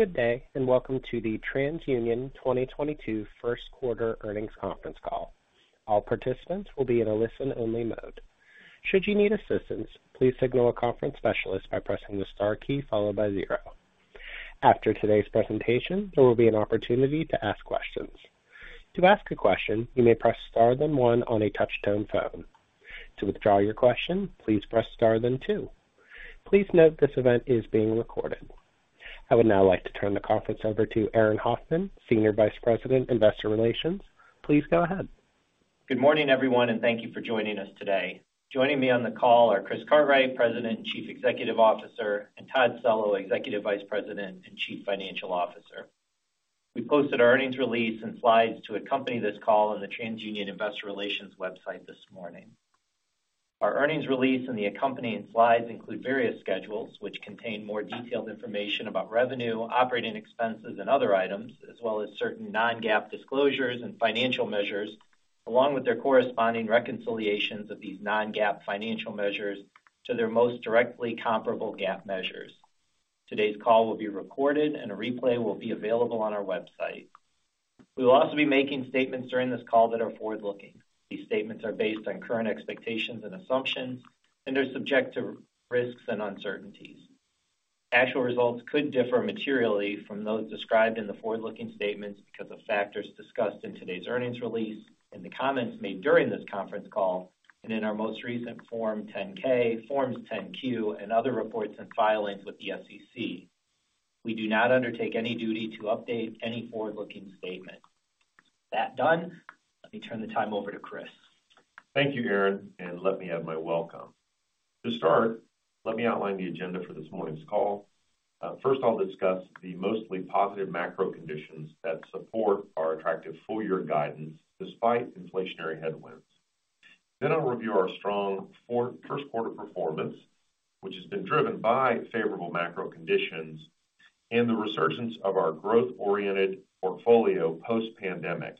Good day, and welcome to the TransUnion 2022 First Quarter Earnings Conference Call. All participants will be in a listen-only mode. Should you need assistance, please signal a conference specialist by pressing the star key followed by zero. After today's presentation, there will be an opportunity to ask questions. To ask a question, you may press star then one on a touch tone phone. To withdraw your question, please press star then two. Please note this event is being recorded. I would now like to turn the conference over to Aaron Hoffman, Senior Vice President, Investor Relations. Please go ahead. Good morning, everyone, and thank you for joining us today. Joining me on the call are Chris Cartwright, President and Chief Executive Officer, and Todd Cello, Executive Vice President and Chief Financial Officer. We posted our earnings release and slides to accompany this call on the TransUnion Investor Relations website this morning. Our earnings release and the accompanying slides include various schedules which contain more detailed information about revenue, operating expenses, and other items, as well as certain non-GAAP disclosures and financial measures, along with their corresponding reconciliations of these non-GAAP financial measures to their most directly comparable GAAP measures. Today's call will be recorded and a replay will be available on our website. We will also be making statements during this call that are forward-looking. These statements are based on current expectations and assumptions, and they're subject to risks and uncertainties. Actual results could differ materially from those described in the forward-looking statements because of factors discussed in today's earnings release, in the comments made during this conference call, and in our most recent Form 10-K, Forms 10-Q, and other reports and filings with the SEC. We do not undertake any duty to update any forward-looking statement. That done, let me turn the time over to Chris. Thank you, Aaron, and let me add my welcome. To start, let me outline the agenda for this morning's call. First, I'll discuss the mostly positive macro conditions that support our attractive full-year guidance despite inflationary headwinds. Then I'll review our strong first quarter performance, which has been driven by favorable macro conditions and the resurgence of our growth-oriented portfolio post-pandemic,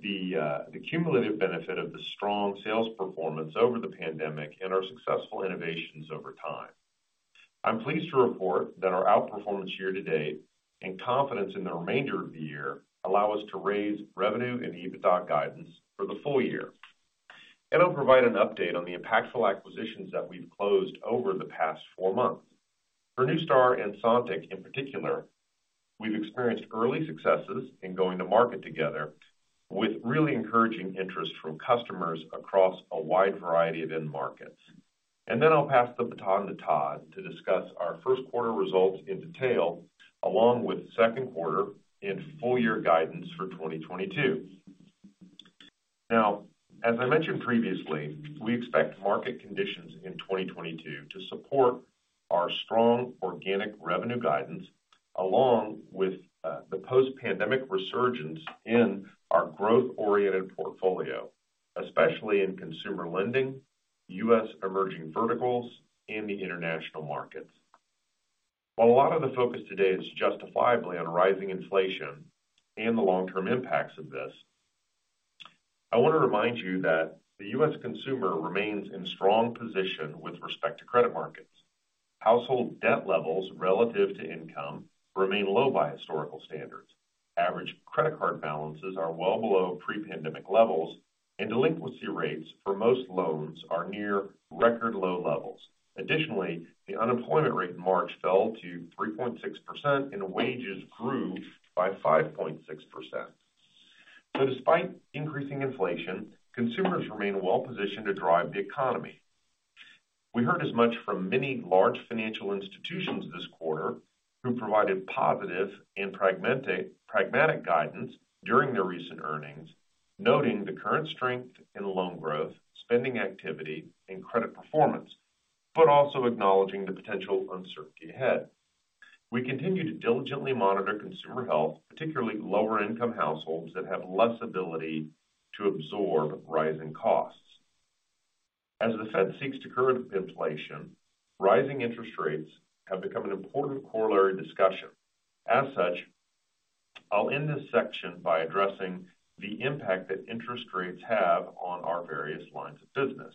the cumulative benefit of the strong sales performance over the pandemic and our successful innovations over time. I'm pleased to report that our outperformance year-to-date and confidence in the remainder of the year allow us to raise revenue and EBITDA guidance for the full year. It'll provide an update on the impactful acquisitions that we've closed over the past four months. For Neustar and Sontiq in particular, we've experienced early successes in going to market together with really encouraging interest from customers across a wide variety of end markets. I'll pass the baton to Todd to discuss our first quarter results in detail, along with second quarter and full-year guidance for 2022. Now, as I mentioned previously, we expect market conditions in 2022 to support our strong organic revenue guidance, along with the post-pandemic resurgence in our growth-oriented portfolio, especially in consumer lending, U.S. emerging verticals, and the international markets. While a lot of the focus today is justifiably on rising inflation and the long-term impacts of this, I want to remind you that the U.S. consumer remains in strong position with respect to credit markets. Household debt levels relative to income remain low by historical standards. Average credit card balances are well below pre-pandemic levels, and delinquency rates for most loans are near record low levels. Additionally, the unemployment rate in March fell to 3.6%, and wages grew by 5.6%. Despite increasing inflation, consumers remain well-positioned to drive the economy. We heard as much from many large financial institutions this quarter who provided positive and pragmatic guidance during their recent earnings, noting the current strength in loan growth, spending activity, and credit performance, but also acknowledging the potential uncertainty ahead. We continue to diligently monitor consumer health, particularly lower-income households that have less ability to absorb rising costs. As the Fed seeks to curb inflation, rising interest rates have become an important corollary discussion. As such, I'll end this section by addressing the impact that interest rates have on our various lines of business.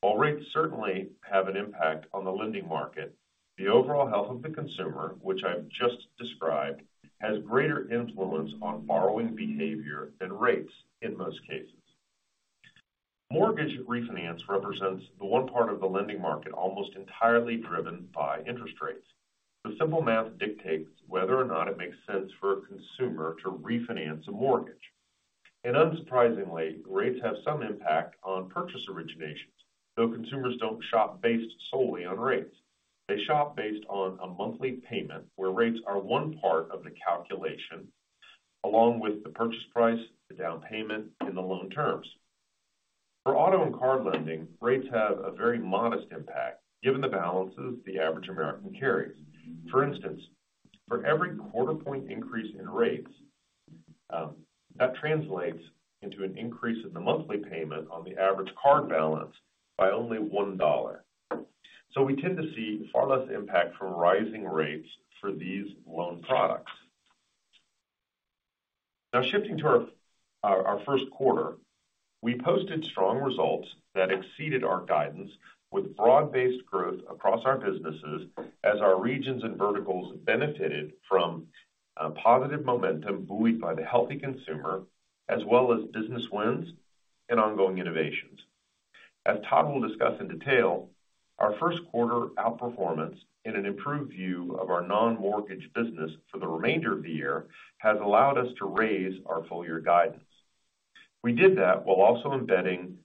While rates certainly have an impact on the lending market, the overall health of the consumer, which I've just described, has greater influence on borrowing behavior than rates in most cases. Mortgage refinance represents the one part of the lending market almost entirely driven by interest rates. The simple math dictates whether or not it makes sense for a consumer to refinance a mortgage. Unsurprisingly, rates have some impact on purchase originations, though consumers don't shop based solely on rates. They shop based on a monthly payment where rates are one part of the calculation, along with the purchase price, the down payment, and the loan terms. For auto and card lending, rates have a very modest impact given the balances the average American carries. For instance, for every quarter point increase in rates, that translates into an increase in the monthly payment on the average card balance by only $1. We tend to see far less impact from rising rates for these loan products. Now shifting to our first quarter, we posted strong results that exceeded our guidance with broad-based growth across our businesses as our regions and verticals benefited from positive momentum buoyed by the healthy consumer as well as business wins and ongoing innovations. As Todd will discuss in detail, our first quarter outperformance and an improved view of our non-mortgage business for the remainder of the year has allowed us to raise our full year guidance. We did that while also embedding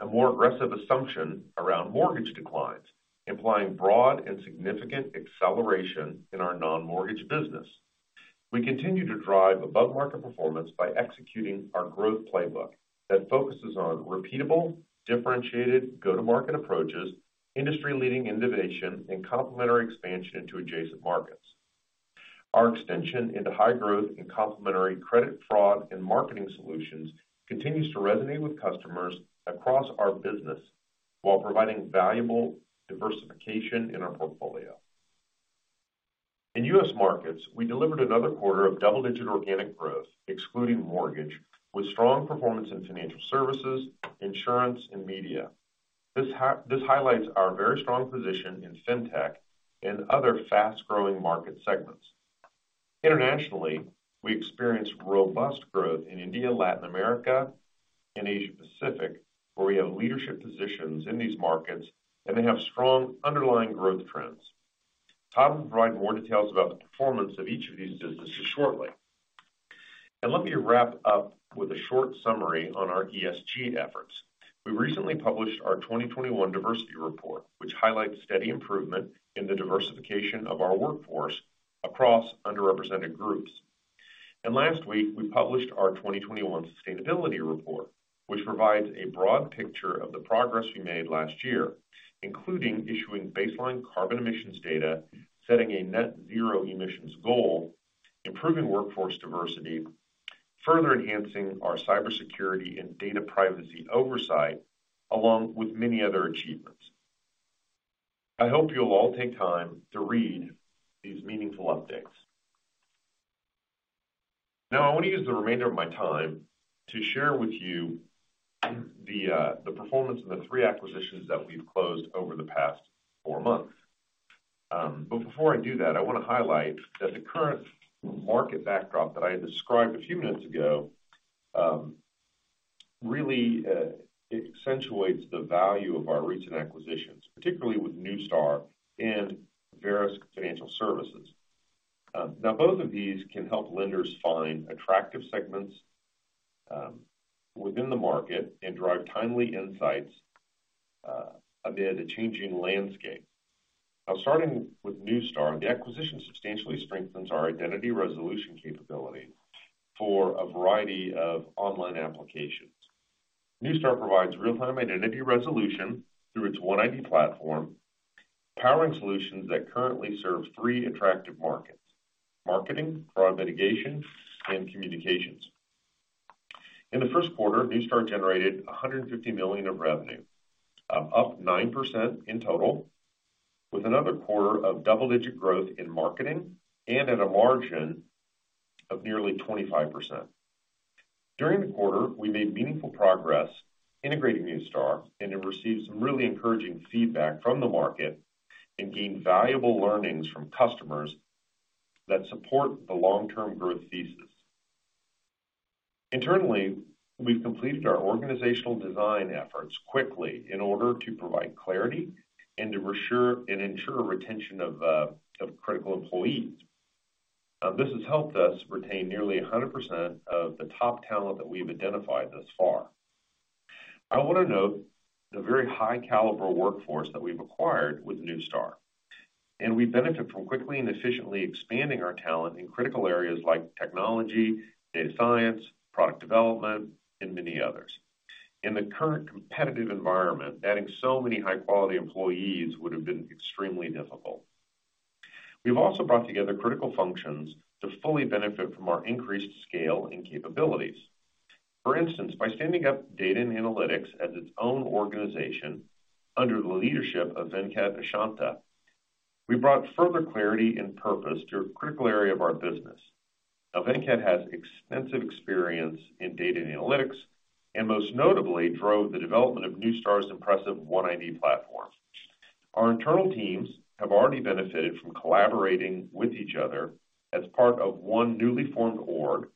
a more aggressive assumption around mortgage declines, implying broad and significant acceleration in our non-mortgage business. We continue to drive above-market performance by executing our growth playbook that focuses on repeatable, differentiated go-to-market approaches, industry-leading innovation, and complementary expansion into adjacent markets. Our extension into high growth and complementary credit fraud and marketing solutions continues to resonate with customers across our business while providing valuable diversification in our portfolio. In U.S. markets, we delivered another quarter of double-digit organic growth, excluding mortgage, with strong performance in financial services, insurance, and media. This highlights our very strong position in FinTech and other fast-growing market segments. Internationally, we experienced robust growth in India, Latin America, and Asia Pacific, where we have leadership positions in these markets, and they have strong underlying growth trends. Todd will provide more details about the performance of each of these businesses shortly. Let me wrap up with a short summary on our ESG efforts. We recently published our 2021 diversity report, which highlights steady improvement in the diversification of our workforce across underrepresented groups. Last week, we published our 2021 sustainability report, which provides a broad picture of the progress we made last year, including issuing baseline carbon emissions data, setting a net zero emissions goal, improving workforce diversity, further enhancing our cybersecurity and data privacy oversight, along with many other achievements. I hope you'll all take time to read these meaningful updates. Now, I want to use the remainder of my time to share with you the performance of the three acquisitions that we've closed over the past four months. Before I do that, I want to highlight that the current market backdrop that I described a few minutes ago, really accentuates the value of our recent acquisitions, particularly with Neustar and Verisk Financial Services. Now both of these can help lenders find attractive segments, within the market and drive timely insights, amid a changing landscape. Now, starting with Neustar, the acquisition substantially strengthens our identity resolution capability for a variety of online applications. Neustar provides real-time identity resolution through its OneID platform, powering solutions that currently serve three attractive markets, marketing, fraud mitigation, and communications. In the first quarter, Neustar generated $150 million of revenue, up 9% in total, with another quarter of double-digit-growth in marketing and at a margin of nearly 25%. During the quarter, we made meaningful progress integrating Neustar and have received some really encouraging feedback from the market and gained valuable learnings from customers that support the long-term growth thesis. Internally, we've completed our organizational design efforts quickly in order to provide clarity and to ensure retention of critical employees. This has helped us retain nearly 100% of the top talent that we've identified thus far. I want to note the very high caliber workforce that we've acquired with Neustar, and we benefit from quickly and efficiently expanding our talent in critical areas like technology, data science, product development, and many others. In the current competitive environment, adding so many high-quality employees would have been extremely difficult. We've also brought together critical functions to fully benefit from our increased scale and capabilities. For instance, by standing up data and analytics as its own organization under the leadership of Venkat Achanta, we brought further clarity and purpose to a critical area of our business. Now, Venkat has extensive experience in data and analytics, and most notably drove the development of Neustar's impressive OneID platform. Our internal teams have already benefited from collaborating with each other as part of one newly formed org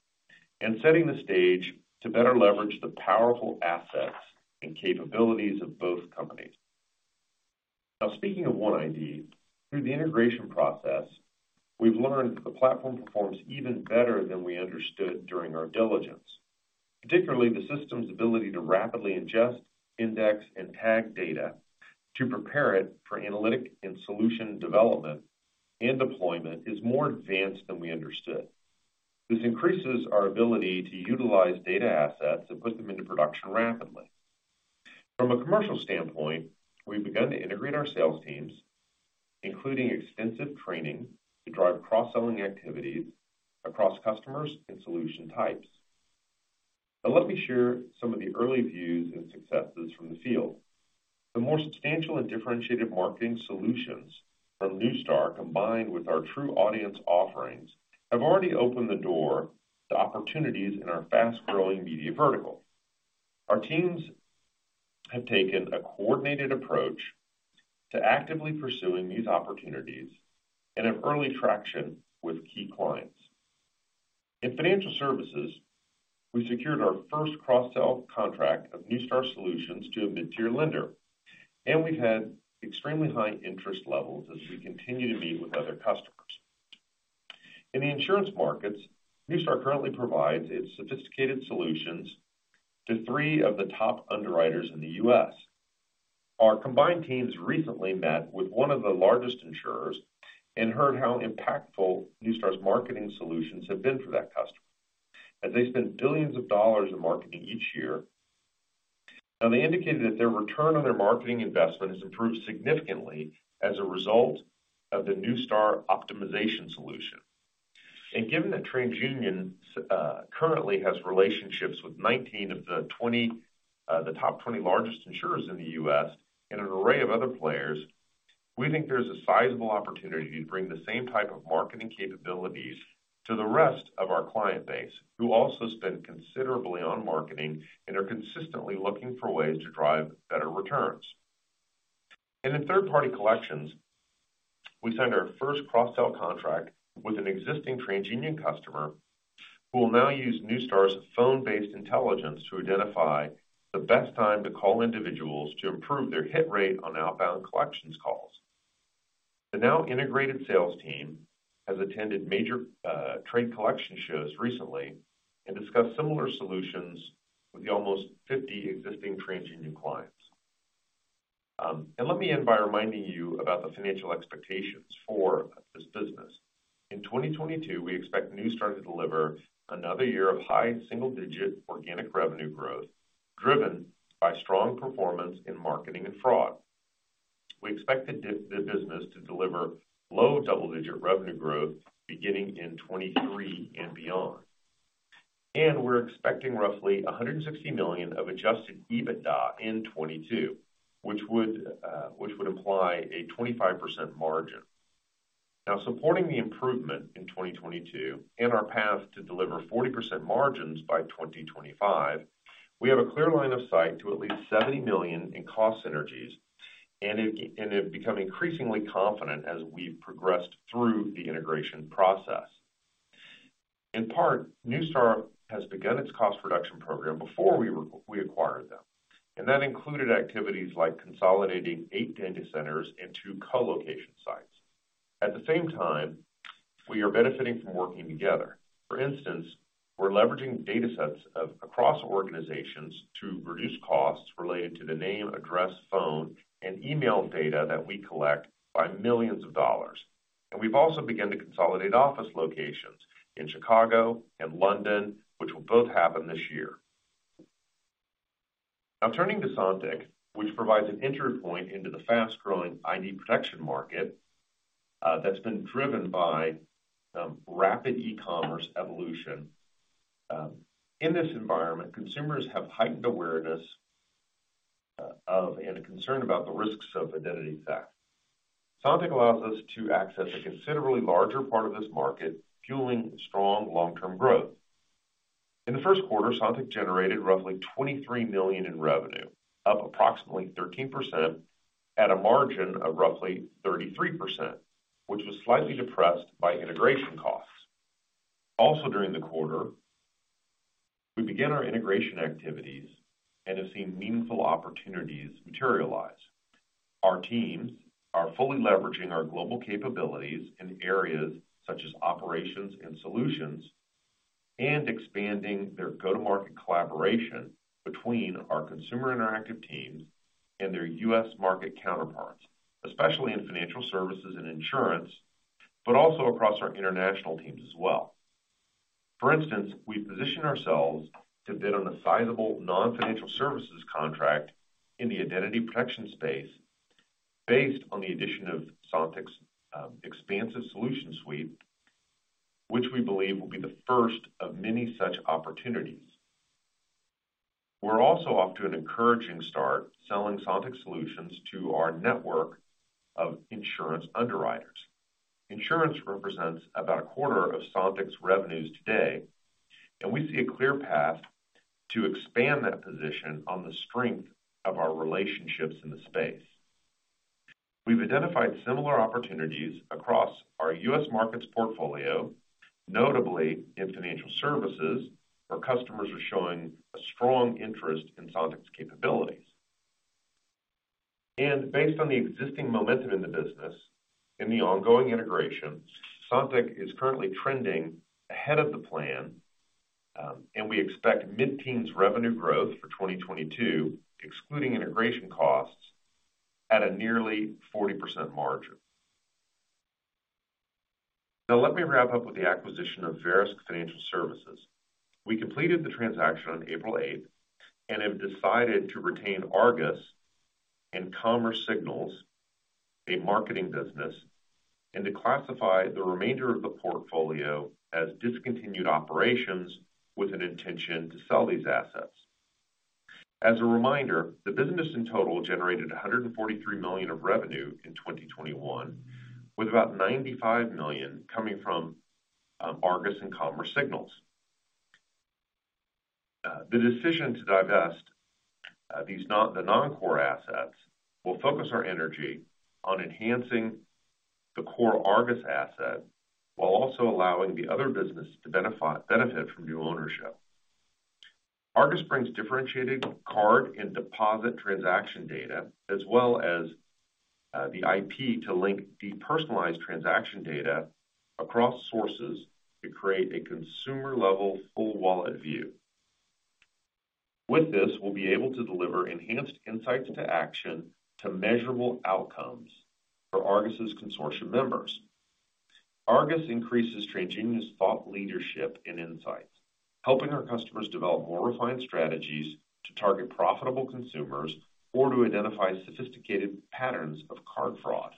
and setting the stage to better leverage the powerful assets and capabilities of both companies. Now speaking of OneID, through the integration process, we've learned that the platform performs even better than we understood during our diligence. Particularly, the system's ability to rapidly ingest, index, and tag data to prepare it for analytic and solution development and deployment is more advanced than we understood. This increases our ability to utilize data assets and put them into production rapidly. From a commercial standpoint, we've begun to integrate our sales teams, including extensive training to drive cross-selling activities across customers and solution types. Now let me share some of the early views and successes from the field. The more substantial and differentiated marketing solutions from Neustar, combined with our TruAudience offerings, have already opened the door to opportunities in our fast-growing media vertical. Our teams have taken a coordinated approach to actively pursuing these opportunities and have early traction with key clients. In financial services, we secured our first cross-sell contract of Neustar solutions to a mid-tier lender, and we've had extremely high interest levels as we continue to meet with other customers. In the insurance markets, Neustar currently provides its sophisticated solutions to three of the top underwriters in the U.S. Our combined teams recently met with one of the largest insurers and heard how impactful Neustar's marketing solutions have been for that customer as they spend billions of dollars in marketing each year. Now, they indicated that their return on their marketing investment has improved significantly as a result of the Neustar optimization solution. Given that TransUnion currently has relationships with 19 of the top 20 largest insurers in the U.S. and an array of other players, we think there's a sizable opportunity to bring the same type of marketing capabilities to the rest of our client base, who also spend considerably on marketing and are consistently looking for ways to drive better returns. In third-party collections, we signed our first cross-sell contract with an existing TransUnion customer who will now use Neustar's phone-based intelligence to identify the best time to call individuals to improve their hit rate on outbound collections calls. The now integrated sales team has attended major trade collection shows recently and discussed similar solutions with the almost 50 existing TransUnion clients. Let me end by reminding you about the financial expectations for this business. In 2022, we expect Neustar to deliver another year of high single-digit organic revenue growth, driven by strong performance in marketing and fraud. We expect the business to deliver low double-digit revenue growth beginning in 2023 and beyond. We're expecting roughly $160 million of adjusted EBITDA in 2022, which would imply a 25% margin. Now supporting the improvement in 2022 and our path to deliver 40% margins by 2025, we have a clear line of sight to at least $70 million in cost synergies and have become increasingly confident as we've progressed through the integration process. In part, Neustar has begun its cost reduction program before we acquired them, and that included activities like consolidating eight data centers and two co-location sites. At the same time, we are benefiting from working together. For instance, we're leveraging datasets across organizations to reduce costs related to the name, address, phone, and email data that we collect by millions of dollars. We've also begun to consolidate office locations in Chicago and London, which will both happen this year. Now turning to Sontiq, which provides an entry point into the fast-growing ID protection market, that's been driven by rapid e-commerce evolution. In this environment, consumers have heightened awareness of and a concern about the risks of identity theft. Sontiq allows us to access a considerably larger part of this market, fueling strong long-term growth. In the first quarter, Sontiq generated roughly $23 million in revenue, up approximately 13% at a margin of roughly 33%, which was slightly depressed by integration costs. Also, during the quarter, we began our integration activities and have seen meaningful opportunities materialize. Our teams are fully leveraging our global capabilities in areas such as operations and solutions, and expanding their go-to-market collaboration between our consumer interactive teams and their U.S. market counterparts, especially in financial services and insurance, but also across our international teams as well. For instance, we've positioned ourselves to bid on a sizable non-financial services contract in the identity protection space based on the addition of Sontiq's expansive solution suite, which we believe will be the first of many such opportunities. We're also off to an encouraging start selling Sontiq solutions to our network of insurance underwriters. Insurance represents about a quarter of Sontiq's revenues today, and we see a clear path to expand that position on the strength of our relationships in the space. We've identified similar opportunities across our U.S. markets portfolio, notably in financial services, where customers are showing a strong interest in Sontiq's capabilities. Based on the existing momentum in the business and the ongoing integration, Sontiq is currently trending ahead of the plan, and we expect mid-teens revenue growth for 2022, excluding integration costs at a nearly 40% margin. Now let me wrap up with the acquisition of Verisk Financial Services. We completed the transaction on April 8 and have decided to retain Argus and Commerce Signals, a marketing business, and to classify the remainder of the portfolio as discontinued operations with an intention to sell these assets. As a reminder, the business in total generated $143 million of revenue in 2021, with about $95 million coming from Argus and Commerce Signals. The decision to divest these non-core assets will focus our energy on enhancing the core Argus asset while also allowing the other business to benefit from new ownership. Argus brings differentiated card and deposit transaction data as well as the IP to link depersonalized transaction data across sources to create a consumer-level full wallet view. With this, we'll be able to deliver enhanced insights to action to measurable outcomes for Argus's consortium members. Argus increases TransUnion's thought leadership and insights, helping our customers develop more refined strategies to target profitable consumers or to identify sophisticated patterns of card fraud.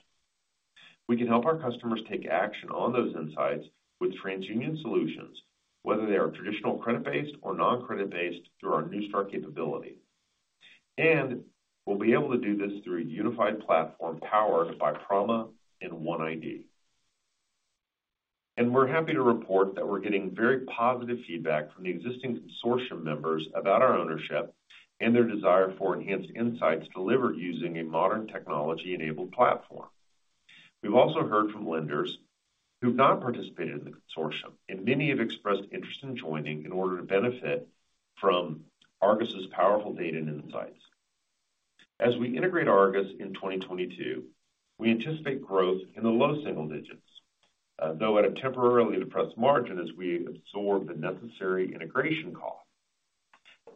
We can help our customers take action on those insights with TransUnion solutions, whether they are traditional credit-based or non-credit-based through our Neustar capability. We'll be able to do this through a unified platform powered by Prama and OneID. We're happy to report that we're getting very positive feedback from the existing consortium members about our ownership and their desire for enhanced insights delivered using a modern technology-enabled platform. We've also heard from lenders who've not participated in the consortium, and many have expressed interest in joining in order to benefit from Argus's powerful data and insights. As we integrate Argus in 2022, we anticipate growth in the low single digits, though at a temporarily depressed margin as we absorb the necessary integration costs.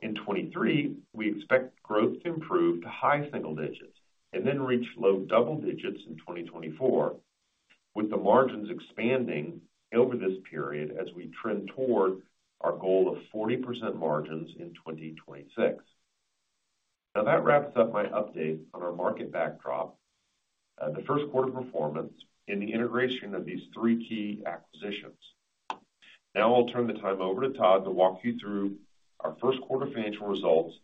In 2023, we expect growth to improve to high single digits and then reach low-double-digits in 2024, with the margins expanding over this period as we trend toward our goal of 40% margins in 2026. Now that wraps up my update on our market backdrop, and the first quarter performance and the integration of these three key acquisitions. Now I'll turn the time over to Todd to walk you through our first quarter financial results,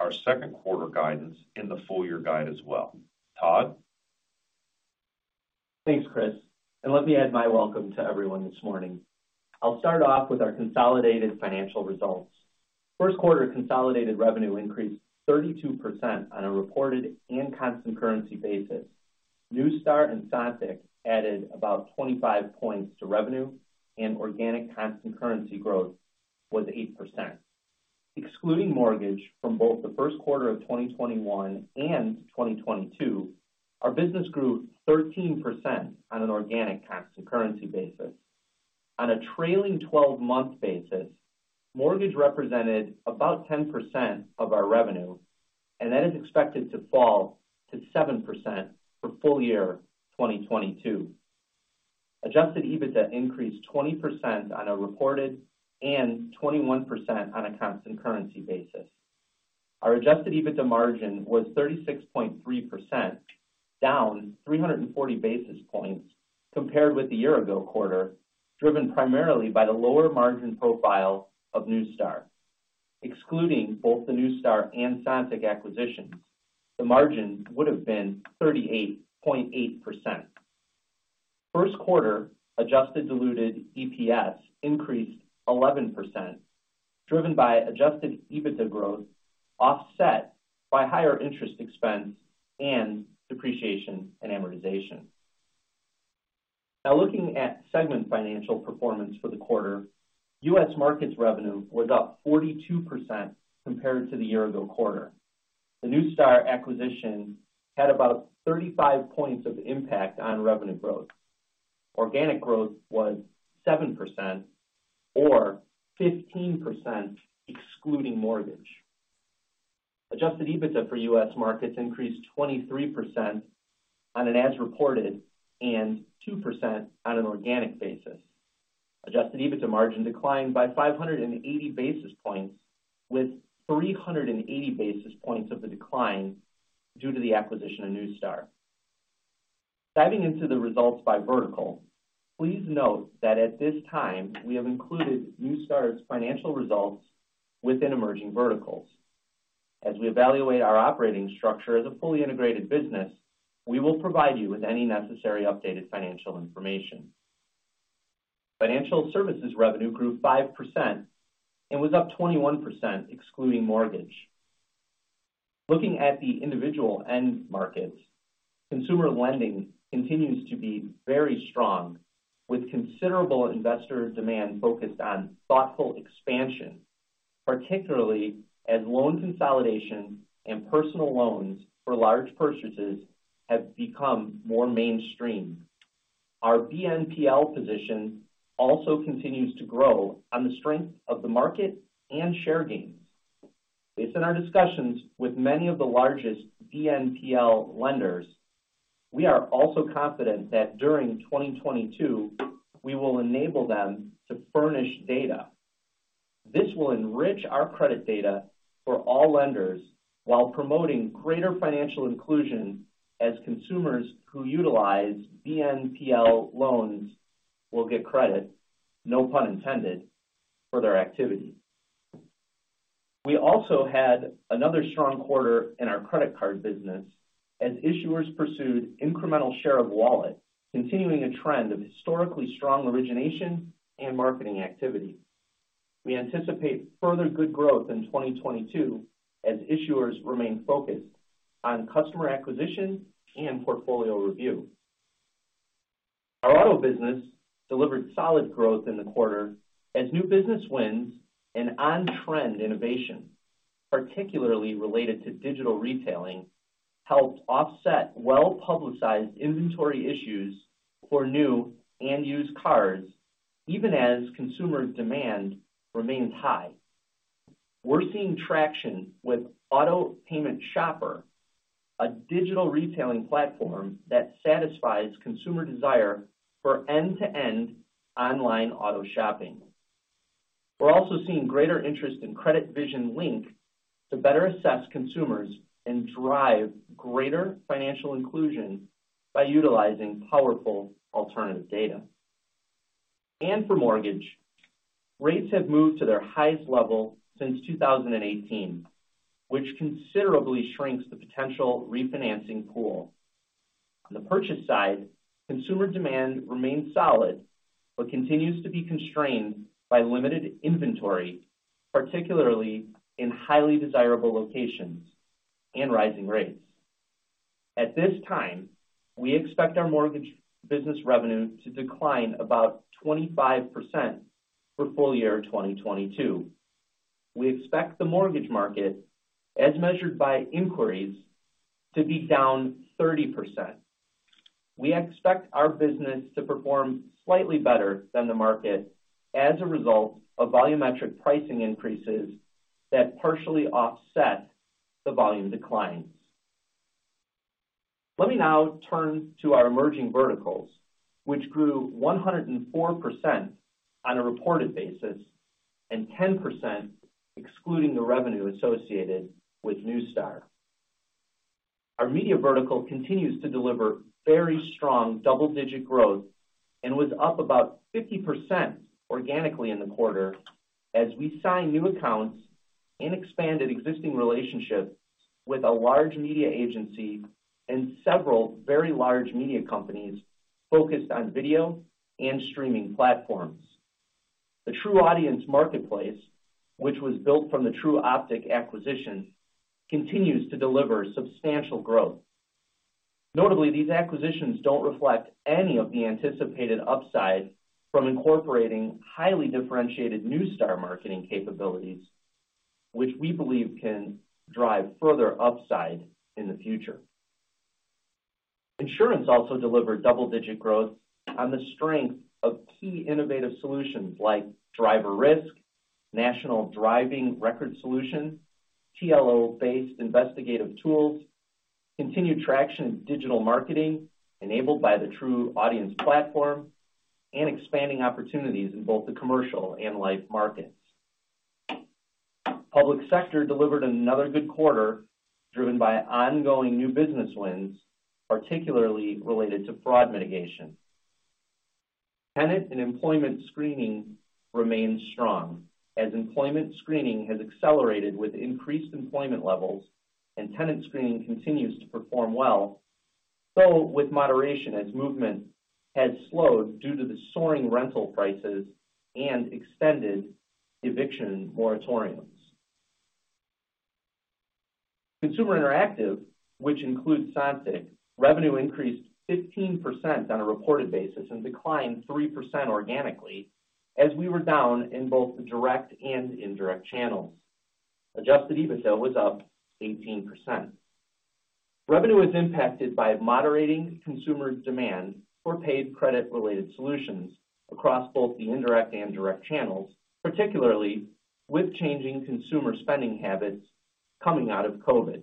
our second quarter guidance, and the full year guide as well. Todd? Thanks, Chris, and let me add my welcome to everyone this morning. I'll start off with our consolidated financial results. First quarter consolidated revenue increased 32% on a reported and constant currency basis. Neustar and Sontiq added about 25 points to revenue and organic constant currency growth was 8%. Excluding mortgage from both the first quarter of 2021 and 2022, our business grew 13% on an organic constant currency basis. On a trailing-twelve-month basis, mortgage represented about 10% of our revenue, and that is expected to fall to 7% for full year 2022. Adjusted EBITDA increased 20% on a reported and 21% on a constant currency basis. Our adjusted EBITDA margin was 36.3%, down 340 basis points compared with the year ago quarter, driven primarily by the lower margin profile of Neustar. Excluding both the Neustar and Sontiq acquisitions, the margin would have been 38.8%. First quarter adjusted diluted EPS increased 11%, driven by adjusted EBITDA growth, offset by higher interest expense and depreciation and amortization. Now looking at segment financial performance for the quarter, U.S. Markets revenue was up 42% compared to the year-ago quarter. The Neustar acquisition had about 35 points of impact on revenue growth. Organic growth was 7% or 15% excluding mortgage. Adjusted EBITDA for U.S. Markets increased 23% on an as-reported and 2% on an organic basis. Adjusted EBITDA margin declined by 580 basis points, with 380 basis points of the decline due to the acquisition of Neustar. Diving into the results by vertical, please note that at this time, we have included Neustar's financial results within Emerging Verticals. As we evaluate our operating structure as a fully integrated business, we will provide you with any necessary updated financial information. Financial Services revenue grew 5% and was up 21% excluding mortgage. Looking at the individual end markets, consumer lending continues to be very strong, with considerable investor demand focused on thoughtful expansion, particularly as loan consolidation and personal loans for large purchases have become more mainstream. Our BNPL position also continues to grow on the strength of the market and share gains. Based on our discussions with many of the largest BNPL lenders, we are also confident that during 2022, we will enable them to furnish data. This will enrich our credit data for all lenders while promoting greater financial inclusion as consumers who utilize BNPL loans will get credit, no pun intended, for their activity. We also had another strong quarter in our credit card business as issuers pursued incremental share of wallet, continuing a trend of historically strong origination and marketing activity. We anticipate further good growth in 2022 as issuers remain focused on customer acquisition and portfolio review. Our auto business delivered solid growth in the quarter as new business wins and on-trend innovation, particularly related to digital retailing, helped offset well-publicized inventory issues for new and used cars even as consumer demand remains high. We're seeing traction with Auto Payment Shopper, a digital retailing platform that satisfies consumer desire for end-to-end online auto shopping. We're also seeing greater interest in CreditVision Link to better assess consumers and drive greater financial inclusion by utilizing powerful alternative data. For mortgage, rates have moved to their highest level since 2018, which considerably shrinks the potential refinancing pool. On the purchase side, consumer demand remains solid, but continues to be constrained by limited inventory, particularly in highly desirable locations and rising rates. At this time, we expect our mortgage business revenue to decline about 25% for full year 2022. We expect the mortgage market, as measured by inquiries, to be down 30%. We expect our business to perform slightly better than the market as a result of volumetric pricing increases that partially offset the volume declines. Let me now turn to our emerging verticals, which grew 104% on a reported basis and 10% excluding the revenue associated with Neustar. Our media vertical continues to deliver very strong double-digit growth and was up about 50% organically in the quarter as we signed new accounts and expanded existing relationships with a large media agency and several very large media companies focused on video and streaming platforms. The TruAudience Data Marketplace, which was built from the Tru Optik acquisition, continues to deliver substantial growth. Notably, these acquisitions don't reflect any of the anticipated upside from incorporating highly differentiated Neustar marketing capabilities, which we believe can drive further upside in the future. Insurance also delivered double-digit growth on the strength of key innovative solutions like DriverRisk, national driving record solutions, TLO-based investigative tools, continued traction in digital marketing enabled by the TruAudience platform, and expanding opportunities in both the commercial and life markets. Public sector delivered another good quarter driven by ongoing new business wins, particularly related to fraud mitigation. Tenant and employment screening remains strong as employment screening has accelerated with increased employment levels and tenant screening continues to perform well, though with moderation as movement has slowed due to the soaring rental prices and extended eviction moratoriums. Consumer Interactive, which includes Sontiq, revenue increased 15% on a reported basis and declined 3% organically as we were down in both the direct and indirect channels. Adjusted EBITDA was up 18%. Revenue was impacted by moderating consumer demand for paid credit-related solutions across both the indirect and direct channels, particularly with changing consumer spending habits coming out of COVID.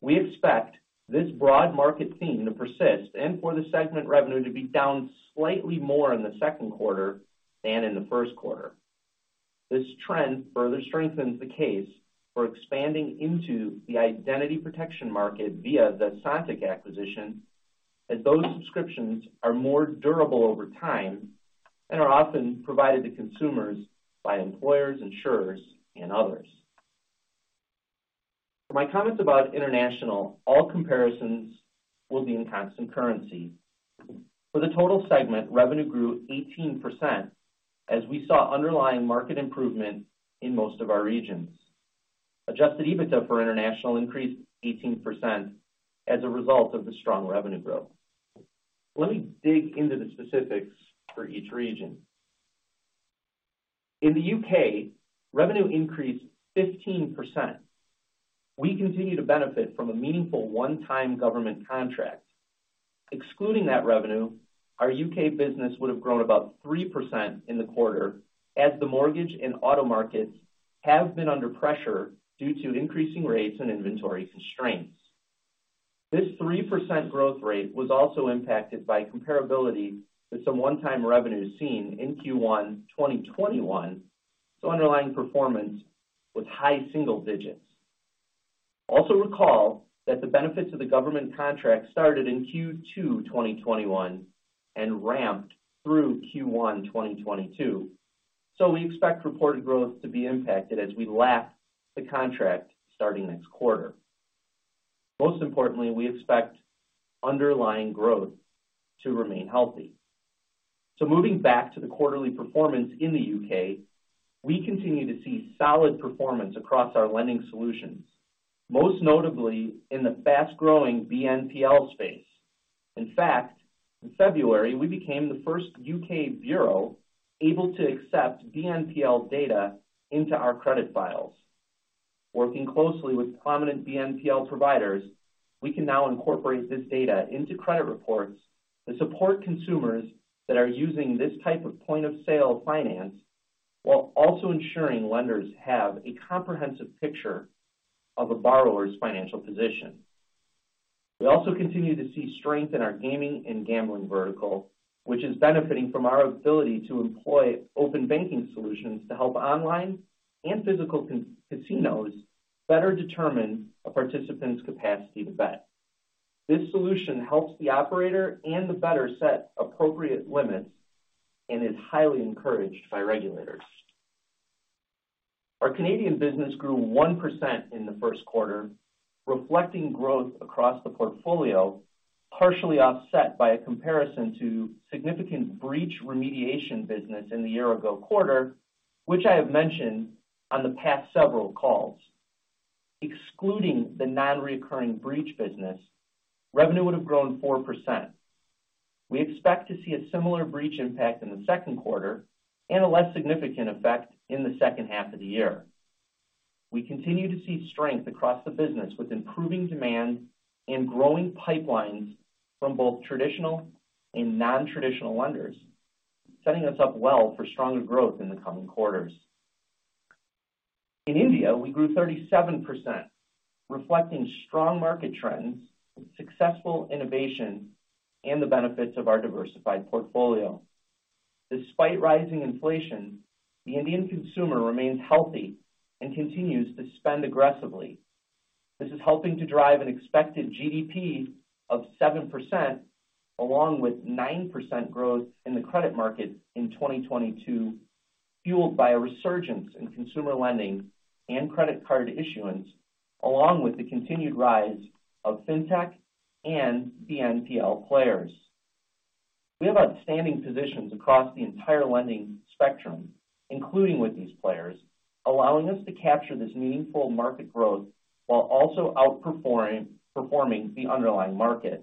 We expect this broad market theme to persist and for the segment revenue to be down slightly more in the second quarter than in the first quarter. This trend further strengthens the case for expanding into the identity protection market via the Sontiq acquisition, as those subscriptions are more durable over time and are often provided to consumers by employers, insurers, and others. For my comments about international, all comparisons will be in constant currency. For the total segment, revenue grew 18% as we saw underlying market improvement in most of our regions. Adjusted EBITDA for international increased 18% as a result of the strong revenue growth. Let me dig into the specifics for each region. In the U.K., revenue increased 15%. We continue to benefit from a meaningful one-time government contract. Excluding that revenue, our U.K. business would have grown about 3% in the quarter as the mortgage and auto markets have been under pressure due to increasing rates and inventory constraints. This 3% growth rate was also impacted by comparability to some one-time revenue seen in Q1 2021, so underlying performance was high single digits. Also recall that the benefits of the government contract started in Q2 2021 and ramped through Q1 2022. We expect reported growth to be impacted as we lap the contract starting next quarter. Most importantly, we expect underlying growth to remain healthy. Moving back to the quarterly performance in the U.K., we continue to see solid performance across our lending solutions, most notably in the fast-growing BNPL space. In fact, in February, we became the first U.K. bureau able to accept BNPL data into our credit files. Working closely with prominent BNPL providers, we can now incorporate this data into credit reports to support consumers that are using this type of point-of-sale finance while also ensuring lenders have a comprehensive picture of a borrower's financial position. We also continue to see strength in our gaming and gambling vertical, which is benefiting from our ability to employ open banking solutions to help online and physical casinos better determine a participant's capacity to bet. This solution helps the operator and the bettor set appropriate limits and is highly encouraged by regulators. Our Canadian business grew 1% in the first quarter, reflecting growth across the portfolio, partially offset by a comparison to significant breach remediation business in the year-ago quarter, which I have mentioned on the past several calls. Excluding the non-recurring breach business, revenue would have grown 4%. We expect to see a similar breach impact in the second quarter and a less significant effect in the second half of the year. We continue to see strength across the business with improving demand and growing pipelines from both traditional and non-traditional lenders, setting us up well for stronger growth in the coming quarters. In India, we grew 37%, reflecting strong market trends, successful innovation, and the benefits of our diversified portfolio. Despite rising inflation, the Indian consumer remains healthy and continues to spend aggressively. This is helping to drive an expected GDP of 7%, along with 9% growth in the credit market in 2022, fueled by a resurgence in consumer lending and credit card issuance, along with the continued rise of fintech and BNPL players. We have outstanding positions across the entire lending spectrum, including with these players, allowing us to capture this meaningful market growth while also outperforming the underlying market.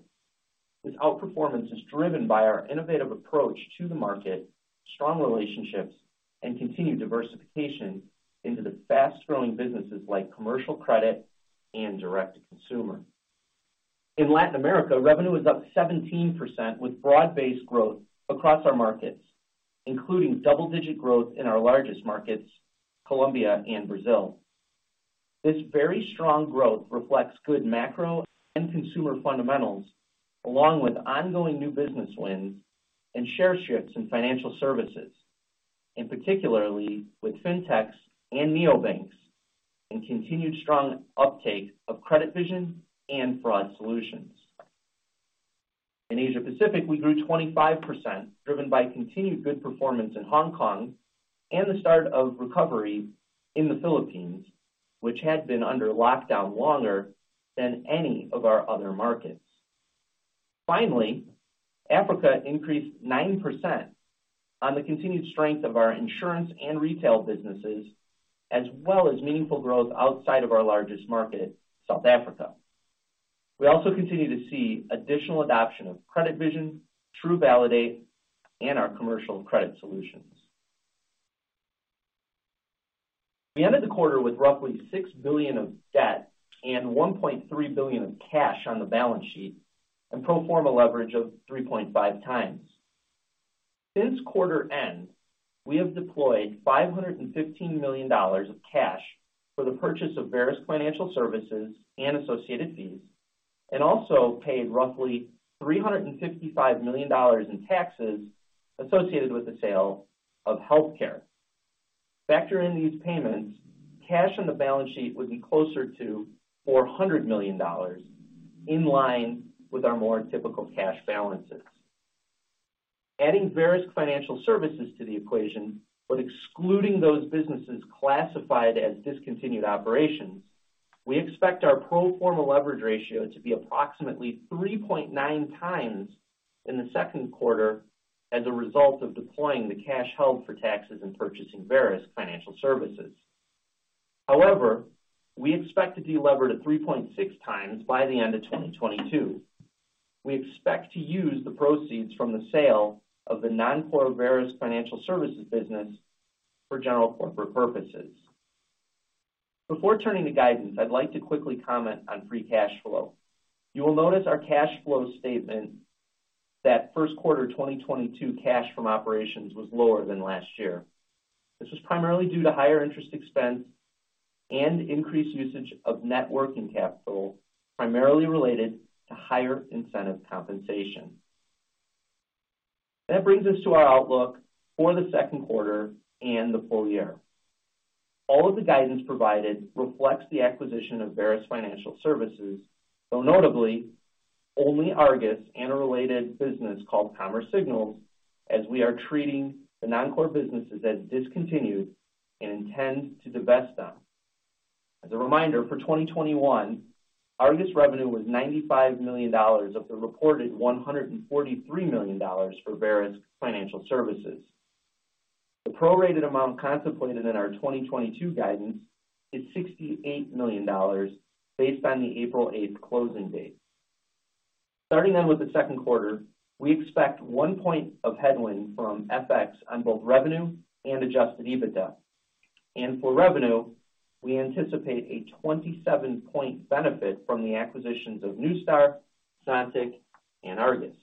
This outperformance is driven by our innovative approach to the market, strong relationships, and continued diversification into the fast-growing businesses like commercial credit and direct-to-consumer. In Latin America, revenue was up 17%, with broad-based growth across our markets, including double-digit growth in our largest markets, Colombia and Brazil. This very strong growth reflects good macro and consumer fundamentals, along with ongoing new business wins and share shifts in financial services, and particularly with FinTechs and neobanks, and continued strong uptake of CreditVision and fraud solutions. In Asia Pacific, we grew 25%, driven by continued good performance in Hong Kong and the start of recovery in the Philippines, which had been under lockdown longer than any of our other markets. Finally, Africa increased 9% on the continued strength of our insurance and retail businesses, as well as meaningful growth outside of our largest market, South Africa. We also continue to see additional adoption of CreditVision, TruValidate, and our commercial credit solutions. We ended the quarter with roughly $6 billion of debt and $1.3 billion of cash on the balance sheet and pro forma leverage of 3.5x. Since quarter end, we have deployed $515 million of cash for the purchase of Verisk Financial Services and associated fees, and also paid roughly $355 million in taxes associated with the sale of healthcare. Factoring these payments, cash on the balance sheet would be closer to $400 million, in line with our more typical cash balances. Adding Verisk Financial Services to the equation, but excluding those businesses classified as discontinued operations, we expect our pro forma leverage ratio to be approximately 3.9x in the second quarter as a result of deploying the cash held for taxes and purchasing Verisk Financial Services. However, we expect to delever to 3.6x by the end of 2022. We expect to use the proceeds from the sale of the non-core Verisk Financial Services business for general corporate purposes. Before turning to guidance, I'd like to quickly comment on free cash flow. You will notice our cash flow statement that first quarter 2022 cash from operations was lower than last year. This was primarily due to higher interest expense and increased usage of net working capital, primarily related to higher incentive compensation. That brings us to our outlook for the second quarter and the full year. All of the guidance provided reflects the acquisition of Verisk Financial Services, though notably only Argus and a related business called Commerce Signals, as we are treating the non-core businesses as discontinued and intend to divest them. As a reminder, for 2021, Argus revenue was $95 million of the reported $143 million for Verisk Financial Services. The prorated amount contemplated in our 2022 guidance is $68 million based on the April 8 closing date. Starting then with the second quarter, we expect 1 point of headwind from FX on both revenue and adjusted EBITDA. For revenue, we anticipate a 27-point benefit from the acquisitions of Neustar, Sontiq, and Argus.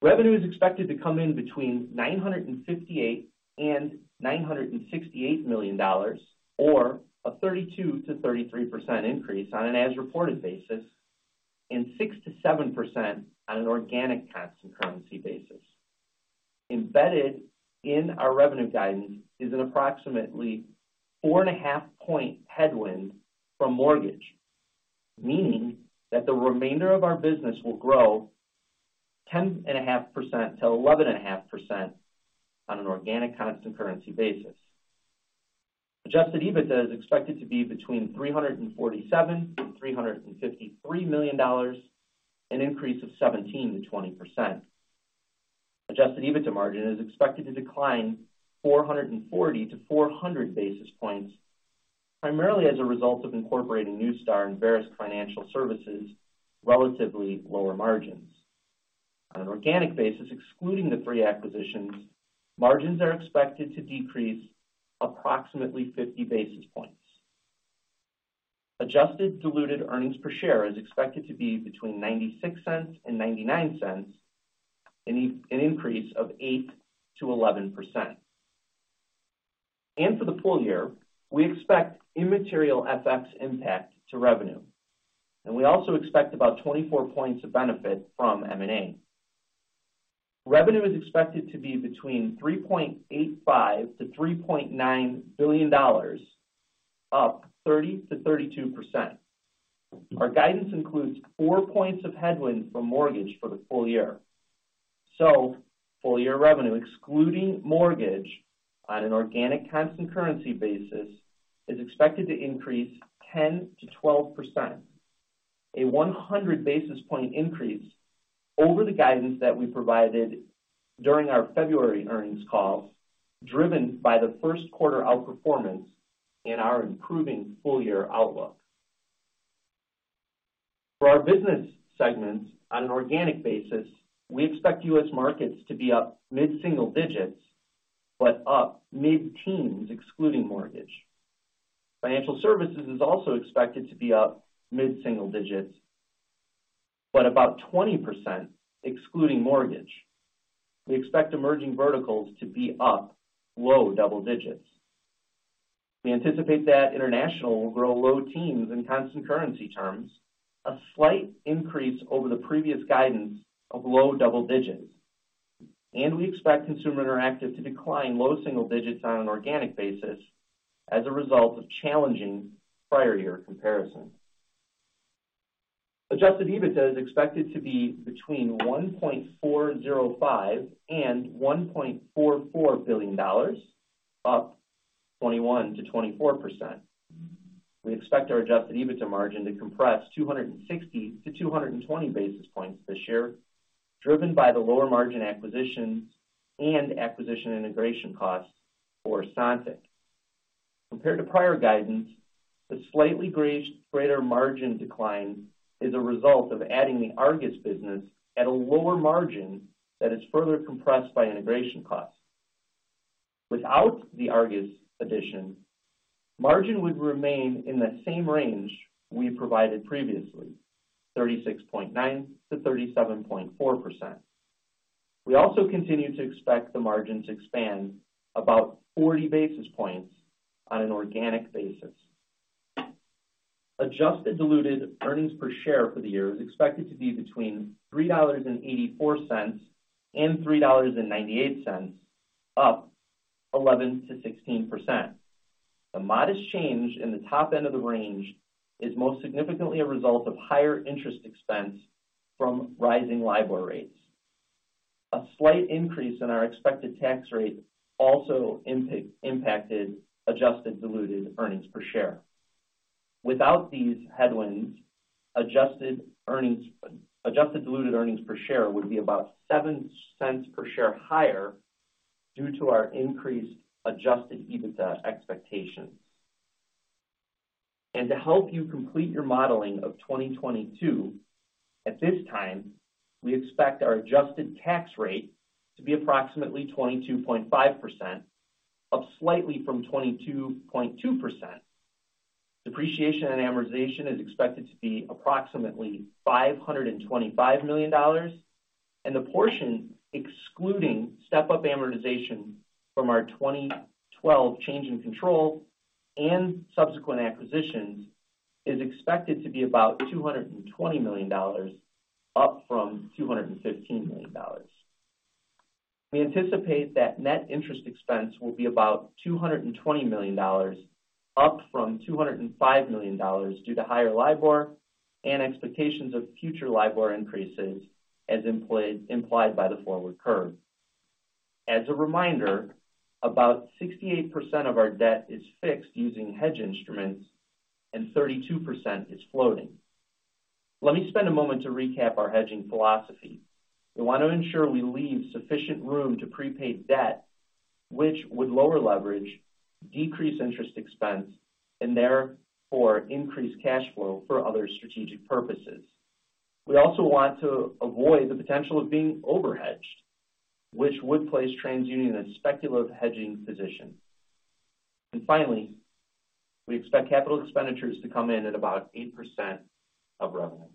Revenue is expected to come in between $958 million-$968 million, or a 32%-33% increase on an as-reported basis, and 6%-7% on an organic constant currency basis. Embedded in our revenue guidance is an approximately 4.5 point headwind from mortgage, meaning that the remainder of our business will grow 10.5%-11.5% on an organic constant currency basis. Adjusted EBITDA is expected to be between $347 million-$353 million, an increase of 17%-20%. Adjusted EBITDA margin is expected to decline 440-400 basis points, primarily as a result of incorporating Neustar and Verisk Financial Services' relatively lower margins. On an organic basis, excluding the three acquisitions, margins are expected to decrease approximately 50 basis points. Adjusted diluted earnings per share is expected to be between $0.96 and $0.99, an increase of 8%-11%. For the full year, we expect immaterial FX impact to revenue, and we also expect about 24 points of benefit from M&A. Revenue is expected to be between $3.85 billion and $3.9 billion, up 30%-32%. Our guidance includes 4 points of headwind from mortgage for the full year. Full-year revenue, excluding mortgage on an organic constant currency basis, is expected to increase 10%-12%, a 100 basis point increase over the guidance that we provided during our February earnings call, driven by the first quarter outperformance and our improving full-year outlook. For our business segments, on an organic basis, we expect U.S. markets to be up mid-single digits, but up mid-teens excluding mortgage. Financial services is also expected to be up mid-single digits, but about 20% excluding mortgage. We expect emerging verticals to be up low double-digits. We anticipate that international will grow low teens in constant currency terms, a slight increase over the previous guidance of low double-digits. We expect consumer interactive to decline low single-digits on an organic basis as a result of challenging prior year comparison. Adjusted EBITDA is expected to be between $1.405 billion and $1.44 billion, up 21%-24%. We expect our adjusted EBITDA margin to compress 260-220 basis points this year, driven by the lower margin acquisitions and acquisition integration costs for Sontiq. Compared to prior guidance, the slightly greater margin decline is a result of adding the Argus business at a lower margin that is further compressed by integration costs. Without the Argus addition, margin would remain in the same range we provided previously, 36.9%-37.4%. We also continue to expect the margin to expand about 40 basis points on an organic basis. Adjusted diluted earnings per share for the year is expected to be between $3.84 and $3.98, up 11%-16%. The modest change in the top end of the range is most significantly a result of higher interest expense from rising LIBOR rates. A slight increase in our expected tax rate also impacted adjusted diluted earnings per share. Without these headwinds, adjusted earnings, adjusted diluted earnings per share would be about $7 per share higher due to our increased adjusted EBITDA expectations. To help you complete your modeling of 2022, at this time, we expect our adjusted tax rate to be approximately 22.5%, up slightly from 22.2%. Depreciation and amortization is expected to be approximately $525 million, and the portion excluding step-up amortization from our 2012 change in control and subsequent acquisitions is expected to be about $220 million, up from $215 million. We anticipate that net interest expense will be about $220 million, up from $205 million due to higher LIBOR and expectations of future LIBOR increases as implied by the forward curve. As a reminder, about 68% of our debt is fixed using hedge instruments and 32% is floating. Let me spend a moment to recap our hedging philosophy. We want to ensure we leave sufficient room to prepay debt, which would lower leverage, decrease interest expense, and therefore increase cash flow for other strategic purposes. We also want to avoid the potential of being over-hedged, which would place TransUnion in a speculative hedging position. Finally, we expect capital expenditures to come in at about 8% of revenue.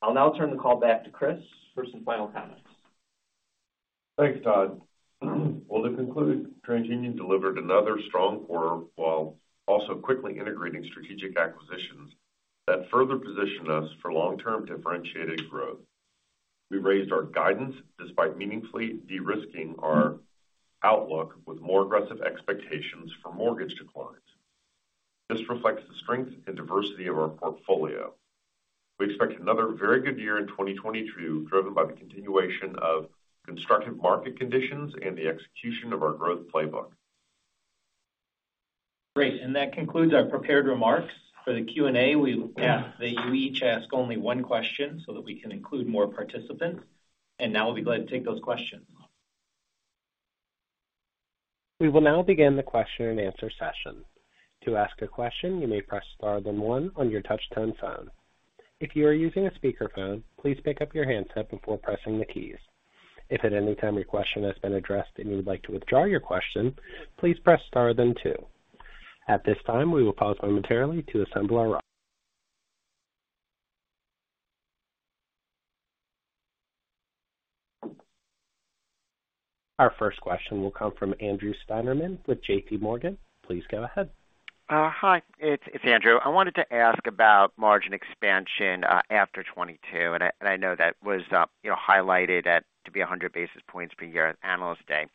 I'll now turn the call back to Chris for some final comments. Thanks, Todd. Well, to conclude, TransUnion delivered another strong quarter while also quickly integrating strategic acquisitions that further position us for long-term differentiated growth. We've raised our guidance despite meaningfully de-risking our outlook with more aggressive expectations for mortgage declines. This reflects the strength and diversity of our portfolio. We expect another very good year in 2022, driven by the continuation of constructive market conditions and the execution of our growth playbook. Great. That concludes our prepared remarks. For the Q&A, we ask that you each ask only one question so that we can include more participants, and now we'll be glad to take those questions. We will now begin the question-and-answer session. To ask a question, you may press star then one on your touch-tone phone. If you are using a speakerphone, please pick up your handset before pressing the keys. If at any time your question has been addressed and you would like to withdraw your question, please press star then two. At this time, we will pause momentarily. Our first question will come from Andrew Steinerman with JPMorgan. Please go ahead. Hi, it's Andrew. I wanted to ask about margin expansion after 2022, and I know that was highlighted to be 100 basis points per year at Analyst Day.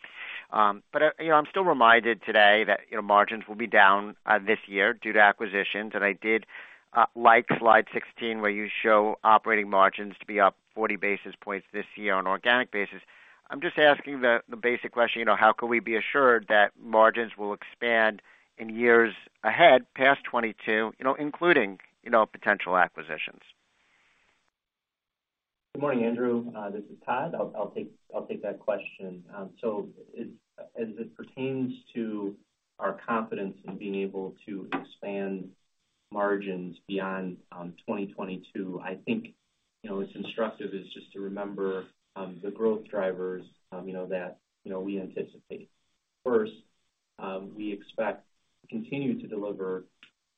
You know, I'm still reminded today that margins will be down this year due to acquisitions, and I like slide 16, where you show operating margins to be up 40 basis points this year on organic basis. I'm just asking the basic question, you know, how can we be assured that margins will expand in years ahead, past 2022, you know, including potential acquisitions? Good morning, Andrew. This is Todd. I'll take that question. As it pertains to our confidence in being able to expand margins beyond 2022, I think you know it's instructive to just remember the growth drivers you know that we anticipate. First, we expect to continue to deliver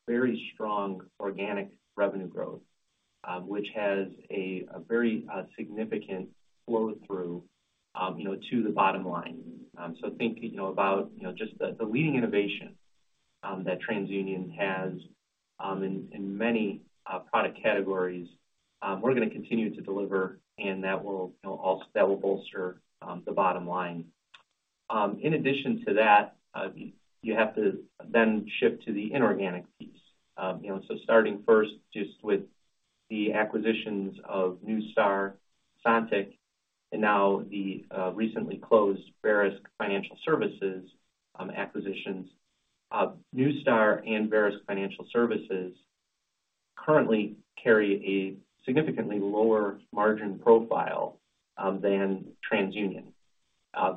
very strong organic revenue growth, which has a very significant flow-through you know to the bottom line. Think you know about you know just the leading innovation that TransUnion has in many product categories. We're gonna continue to deliver, and that will you know bolster the bottom line. In addition to that, you have to then shift to the inorganic piece. You know, starting first just with the acquisitions of Neustar, Sontiq, and now the recently closed Verisk Financial Services acquisitions. Neustar and Verisk Financial Services currently carry a significantly lower margin profile than TransUnion.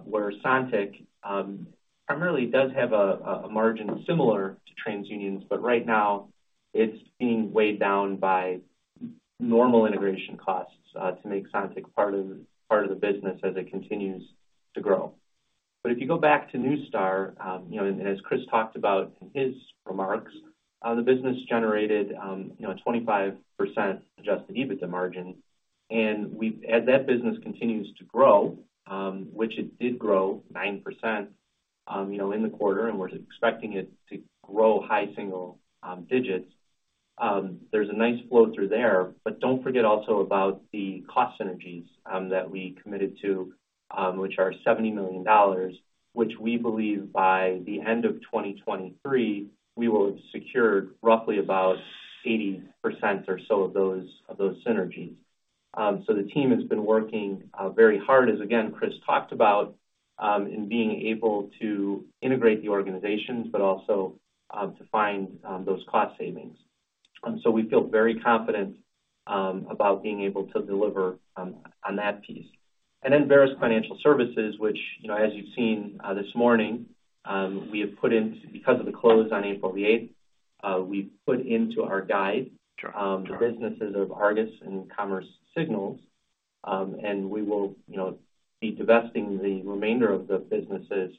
Where Sontiq primarily does have a margin similar to TransUnion's, but right now it's being weighed down by normal integration costs to make Sontiq part of the business as it continues to grow. If you go back to Neustar, you know, and as Chris talked about in his remarks, the business generated 25% adjusted EBITDA margin. As that business continues to grow, which it did grow 9%, you know, in the quarter, and we're expecting it to grow high single-digits, there's a nice flow-through there. Don't forget also about the cost synergies that we committed to, which are $70 million, which we believe by the end of 2023, we will have secured roughly about 80% or so of those synergies. The team has been working very hard, as again Chris talked about, in being able to integrate the organizations, but also to find those cost savings. We feel very confident about being able to deliver on that piece. Verisk Financial Services, which, you know, as you've seen this morning, we have put into, because of the close on April 8, we have put into our guide the businesses of Argus and Commerce Signals. We will, you know, be divesting the remainder of the businesses.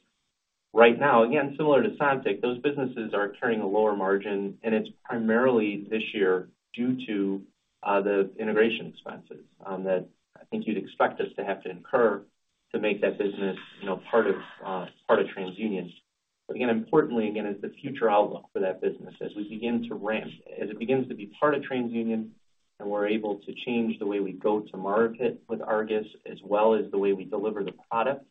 Right now, again, similar to Sontiq, those businesses are carrying a lower margin, and it's primarily this year due to the integration expenses that I think you'd expect us to have to incur to make that business, you know, part of TransUnion. Importantly, is the future outlook for that business as we begin to ramp. As it begins to be part of TransUnion and we're able to change the way we go to market with Argus, as well as the way we deliver the product,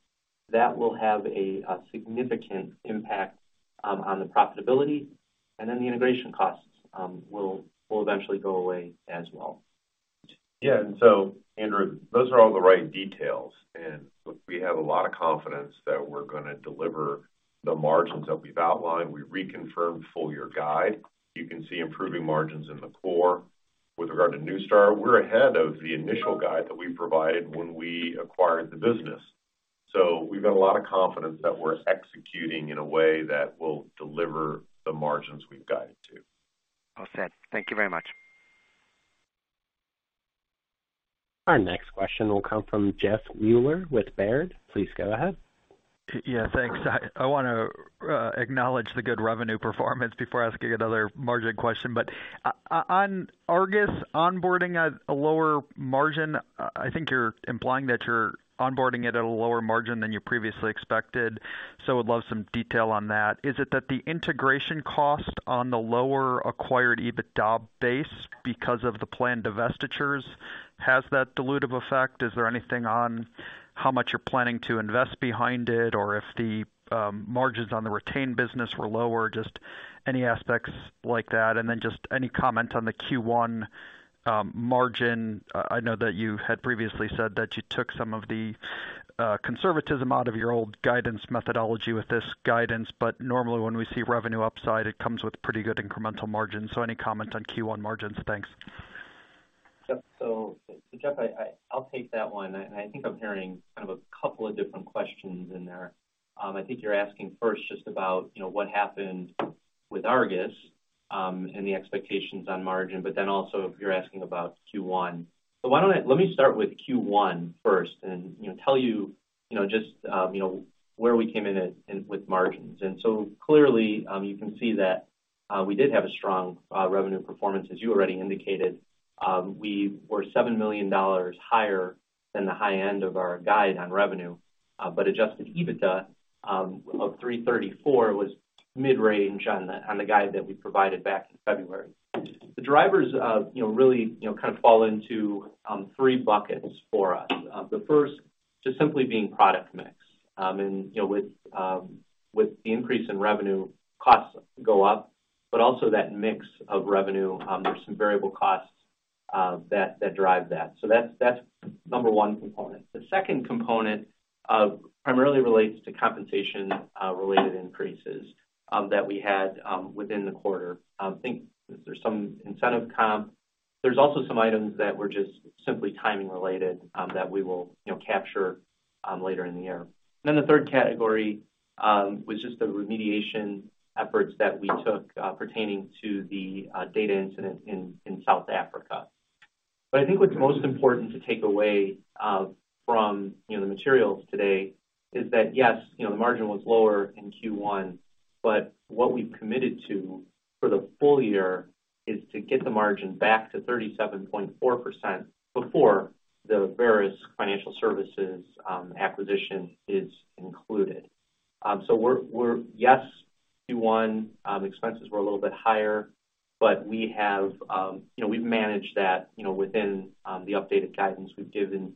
that will have a significant impact on the profitability, and then the integration costs will eventually go away as well. Yeah, Andrew, those are all the right details, and we have a lot of confidence that we're gonna deliver the margins that we've outlined. We reconfirmed full year guide. You can see improving margins in the core. With regard to Neustar, we're ahead of the initial guide that we provided when we acquired the business. We've got a lot of confidence that we're executing in a way that will deliver the margins we've guided to. Well said. Thank you very much. Our next question will come from Jeff Meuler with Baird. Please go ahead. Yeah, thanks. I wanna acknowledge the good revenue performance before asking another margin question. On Argus, onboarding at a lower margin, I think you're implying that you're onboarding it at a lower margin than you previously expected, so would love some detail on that. Is it that the integration cost on the lower acquired EBITDA base because of the planned divestitures has that dilutive effect? Is there anything on how much you're planning to invest behind it or if the margins on the retained business were lower? Just any aspects like that. Then just any comment on the Q1 margin. I know that you had previously said that you took some of the conservatism out of your old guidance methodology with this guidance. Normally when we see revenue upside, it comes with pretty good incremental margins. Any comment on Q1 margins? Thanks. Jeff, I'll take that one. I think I'm hearing kind of a couple of different questions in there. I think you're asking first just about, you know, what happened with Argus, and the expectations on margin, but then also you're asking about Q1. Let me start with Q1 first and, you know, tell you know, just, you know, where we came in at with margins. Clearly, you can see that we did have a strong revenue performance, as you already indicated. We were $7 million higher than the high end of our guide on revenue. Adjusted EBITDA of $334 million was mid-range on the guide that we provided back in February. The drivers, you know, really, you know, kind of fall into three buckets for us. The first just simply being product mix, you know, with the increase in revenue, costs go up, but also that mix of revenue, there's some variable costs that drive that. That's number one component. The second component primarily relates to compensation related increases that we had within the quarter. I think there's some incentive comp. There's also some items that were just simply timing related that we will, you know, capture later in the year. The third category was just the remediation efforts that we took pertaining to the data incident in South Africa. I think what's most important to take away from you know the materials today is that yes you know the margin was lower in Q1 but what we've committed to for the full year is to get the margin back to 37.4% before the Verisk Financial Services acquisition is included. So yes Q1 expenses were a little bit higher but we have you know we've managed that you know within the updated guidance we've given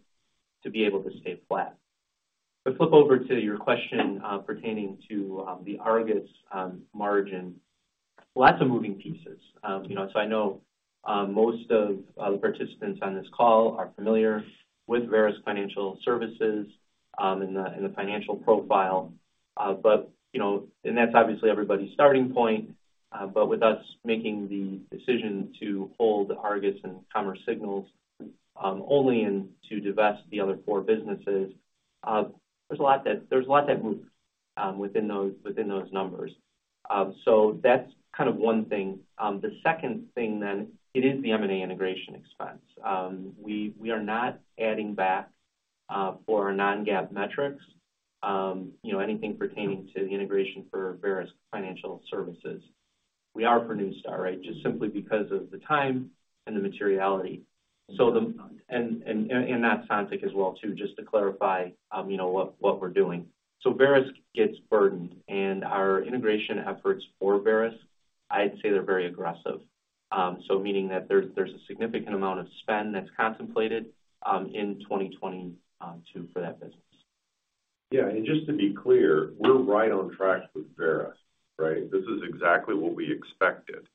to be able to stay flat. To flip over to your question pertaining to the Argus margin. Lots of moving pieces. You know so I know most of the participants on this call are familiar with Verisk Financial Services and the financial profile. You know and that's obviously everybody's starting point. With us making the decision to hold Argus and Commerce Signals only and to divest the other four businesses, there's a lot that moves within those numbers. That's kind of one thing. The second thing, it is the M&A integration expense. We are not adding back for our non-GAAP metrics, you know, anything pertaining to the integration for Verisk Financial Services. We are for Neustar, right? Just simply because of the time and the materiality. That's Sontiq as well too, just to clarify, you know, what we're doing. Verisk gets burdened, and our integration efforts for Verisk, I'd say they're very aggressive. Meaning that there's a significant amount of spend that's contemplated in 2022 for that business. Yeah, just to be clear, we're right on track with Verisk, right? This is exactly what we expected,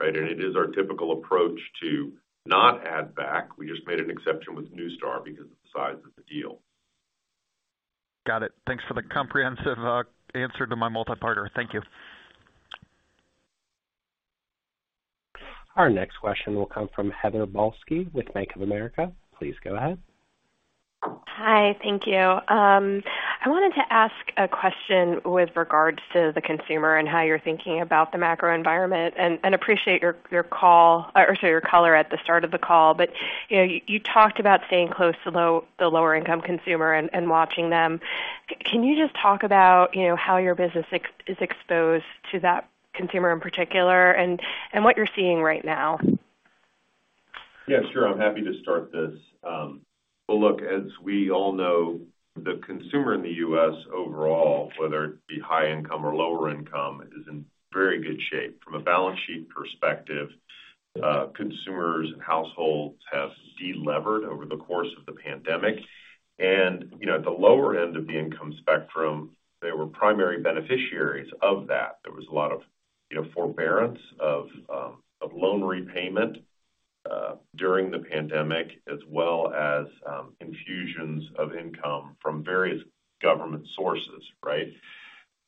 right? It is our typical approach to not add back. We just made an exception with Neustar because of the size of the deal. Got it. Thanks for the comprehensive answer to my multi-parter. Thank you. Our next question will come from Heather Balsky with Bank of America. Please go ahead. Hi, thank you. I wanted to ask a question with regards to the consumer and how you're thinking about the macro environment and appreciate your color at the start of the call. You know, you talked about staying close to the lower income consumer and watching them. Can you just talk about, you know, how your business is exposed to that consumer in particular and what you're seeing right now? Yeah, sure. I'm happy to start this. Well, look, as we all know, the consumer in the U.S. overall, whether it be high income or lower income, is in very good shape. From a balance sheet perspective, consumers and households have de-levered over the course of the pandemic. You know, at the lower end of the income spectrum, they were primary beneficiaries of that. There was a lot of, you know, forbearance of loan repayment during the pandemic, as well as infusions of income from various government sources, right?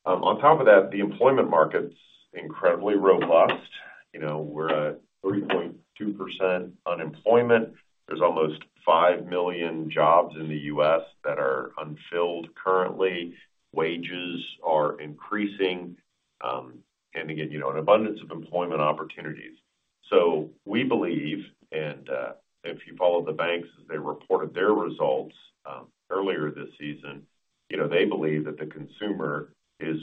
On top of that, the employment market's incredibly robust. You know, we're at 3.2% unemployment. There's almost 5 million jobs in the U.S. that are unfilled currently. Wages are increasing, and again, you know, an abundance of employment opportunities. We believe and if you follow the banks as they reported their results earlier this season, you know, they believe that the consumer is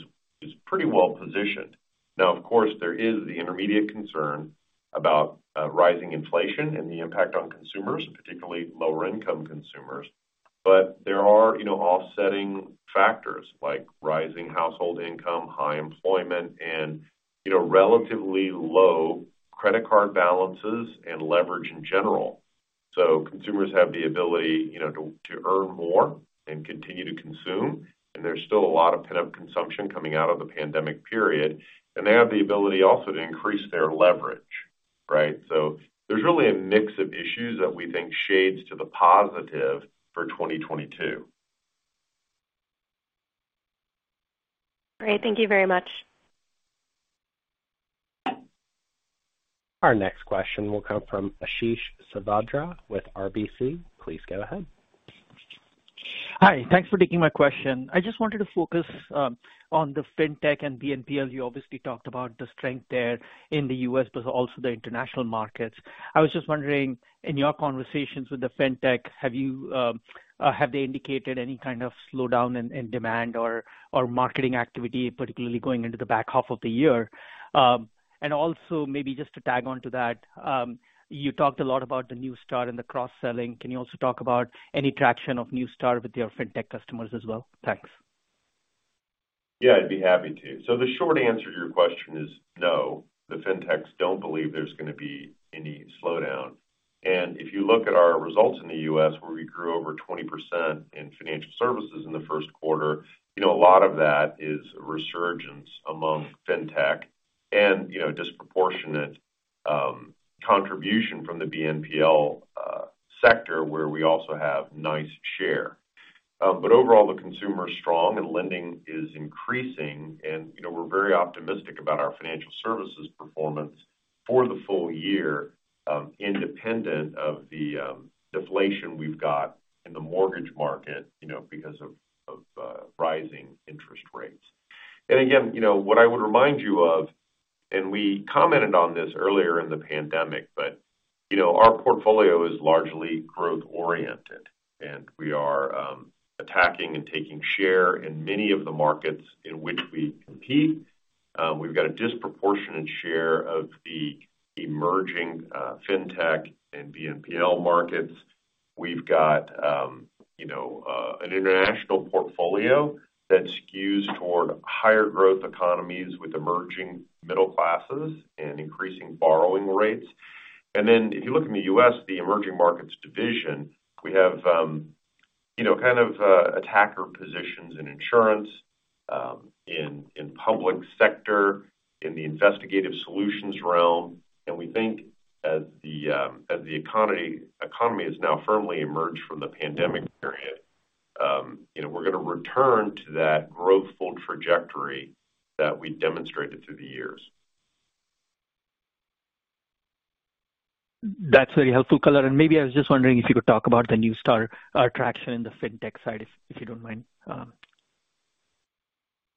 pretty well-positioned. Now, of course, there is the intermediate concern about rising inflation and the impact on consumers, particularly lower income consumers. There are, you know, offsetting factors like rising household income, high employment and, you know, relatively low credit card balances and leverage in general. Consumers have the ability, you know, to earn more and continue to consume, and there's still a lot of pent-up consumption coming out of the pandemic period. They have the ability also to increase their leverage, right? There's really a mix of issues that we think shades to the positive for 2022. Great. Thank you very much. Our next question will come from Ashish Sabadra with RBC. Please go ahead. Hi. Thanks for taking my question. I just wanted to focus on the Fintech and BNPL. You obviously talked about the strength there in the U.S., but also the international markets. I was just wondering, in your conversations with the FinTech, have they indicated any kind of slowdown in demand or marketing activity, particularly going into the back half of the year? Also maybe just to tag on to that, you talked a lot about the Neustar and the cross-selling. Can you also talk about any traction of Neustar with your FinTech customers as well? Thanks. Yeah, I'd be happy to. The short answer to your question is no, the FinTechs don't believe there's gonna be any slowdown. If you look at our results in the U.S., where we grew over 20% in financial services in the first quarter, you know, a lot of that is a resurgence among FinTech and, you know, disproportionate contribution from the BNPL sector, where we also have nice share. Overall, the consumer is strong and lending is increasing. You know, we're very optimistic about our financial services performance for the full year, independent of the deflation we've got in the mortgage market, you know, because of rising interest rates. Again, you know what I would remind you of, and we commented on this earlier in the pandemic, but, you know, our portfolio is largely growth-oriented, and we are attacking and taking share in many of the markets in which we compete. We've got a disproportionate share of the emerging FinTech and BNPL markets. We've got, you know, an international portfolio that skews toward higher growth economies with emerging middle classes and increasing borrowing rates. Then if you look in the U.S., the emerging markets division, we have, you know, kind of, attacker positions in insurance, in public sector, in the investigative solutions realm. We think as the economy has now firmly emerged from the pandemic period, you know, we're gonna return to that growth-fold trajectory that we demonstrated through the years. That's very helpful color. Maybe I was just wondering if you could talk about the Neustar traction in the fintech side, if you don't mind.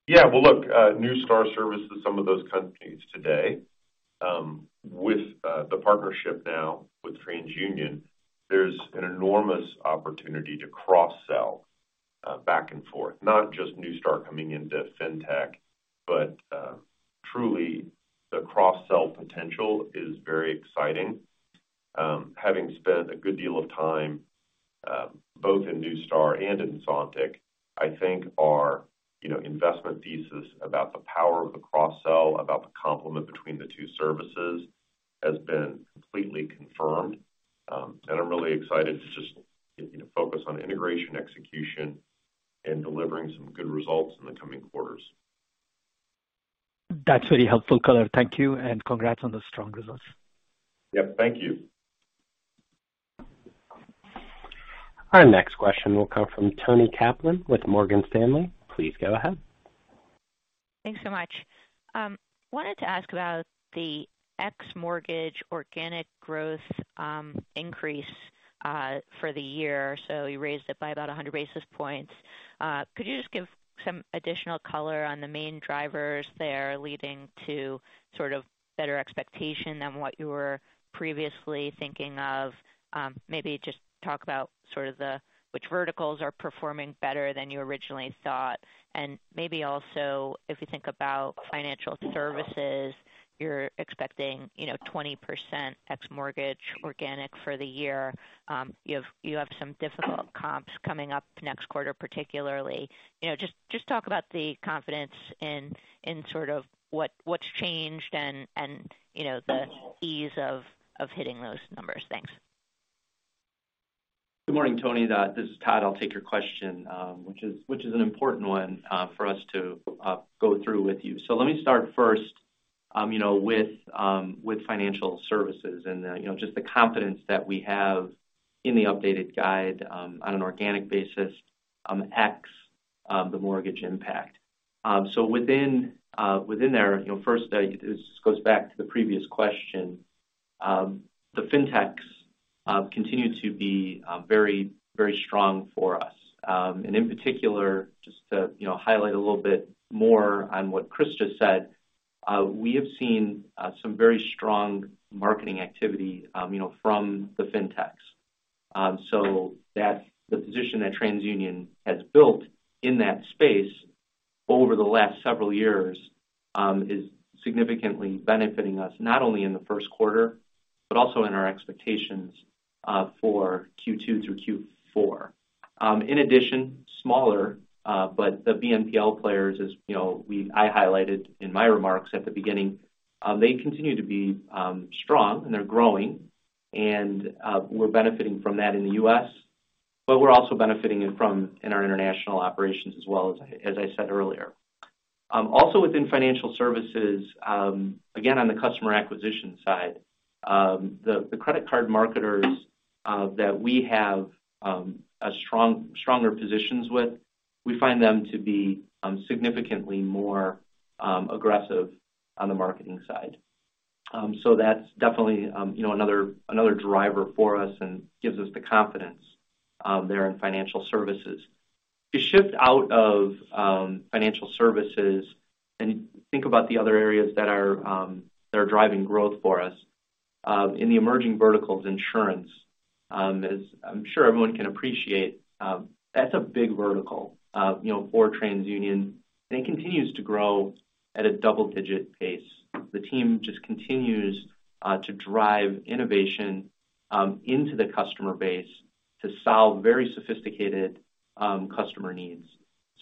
Yeah. Well, look, Neustar services some of those companies today. With the partnership now with TransUnion, there's an enormous opportunity to cross-sell back and forth. Not just Neustar coming into fintech, but truly the cross-sell potential is very exciting. Having spent a good deal of time both in Neustar and in Sontiq, I think our, you know, investment thesis about the power of the cross-sell, about the complement between the two services has been completely confirmed. I'm really excited to just, you know, focus on integration, execution, and delivering some good results in the coming quarters. That's very helpful color. Thank you, and congrats on those strong results. Yep, thank you. Our next question will come from Toni Kaplan with Morgan Stanley. Please go ahead. Thanks so much. Wanted to ask about the ex-mortgage organic growth increase for the year. You raised it by about 100 basis points. Could you just give some additional color on the main drivers there leading to sort of better expectation than what you were previously thinking of? Maybe just talk about which verticals are performing better than you originally thought. Maybe also, if you think about financial services, you're expecting, you know, 20% ex-mortgage organic for the year. You have some difficult comps coming up next quarter, particularly. You know, just talk about the confidence in what has changed and you know, the ease of hitting those numbers. Thanks. Good morning, Toni. This is Todd. I'll take your question, which is an important one for us to go through with you. Let me start first, you know, with financial services and, you know, just the confidence that we have in the updated guide, on an organic basis, ex-mortgage impact. Within there, you know, first, this goes back to the previous question. The FinTechs continue to be very, very strong for us. In particular, just to, you know, highlight a little bit more on what Chris just said, we have seen some very strong marketing activity, you know, from the FinTechs. That's the position that TransUnion has built in that space over the last several years is significantly benefiting us, not only in the first quarter, but also in our expectations for Q2 through Q4. In addition, the BNPL players, as you know, I highlighted in my remarks at the beginning, they continue to be strong and they're growing and we're benefiting from that in the U.S., but we're also benefiting from it in our international operations as well as I said earlier. Also within financial services, again, on the customer acquisition side, the credit card marketers that we have a stronger positions with, we find them to be significantly more aggressive on the marketing side. That's definitely, you know, another driver for us and gives us the confidence there in financial services to shift out of financial services and think about the other areas that are driving growth for us in the emerging verticals insurance, as I'm sure everyone can appreciate, that's a big vertical, you know, for TransUnion, and it continues to grow at a double-digit pace. The team just continues to drive innovation into the customer base to solve very sophisticated customer needs.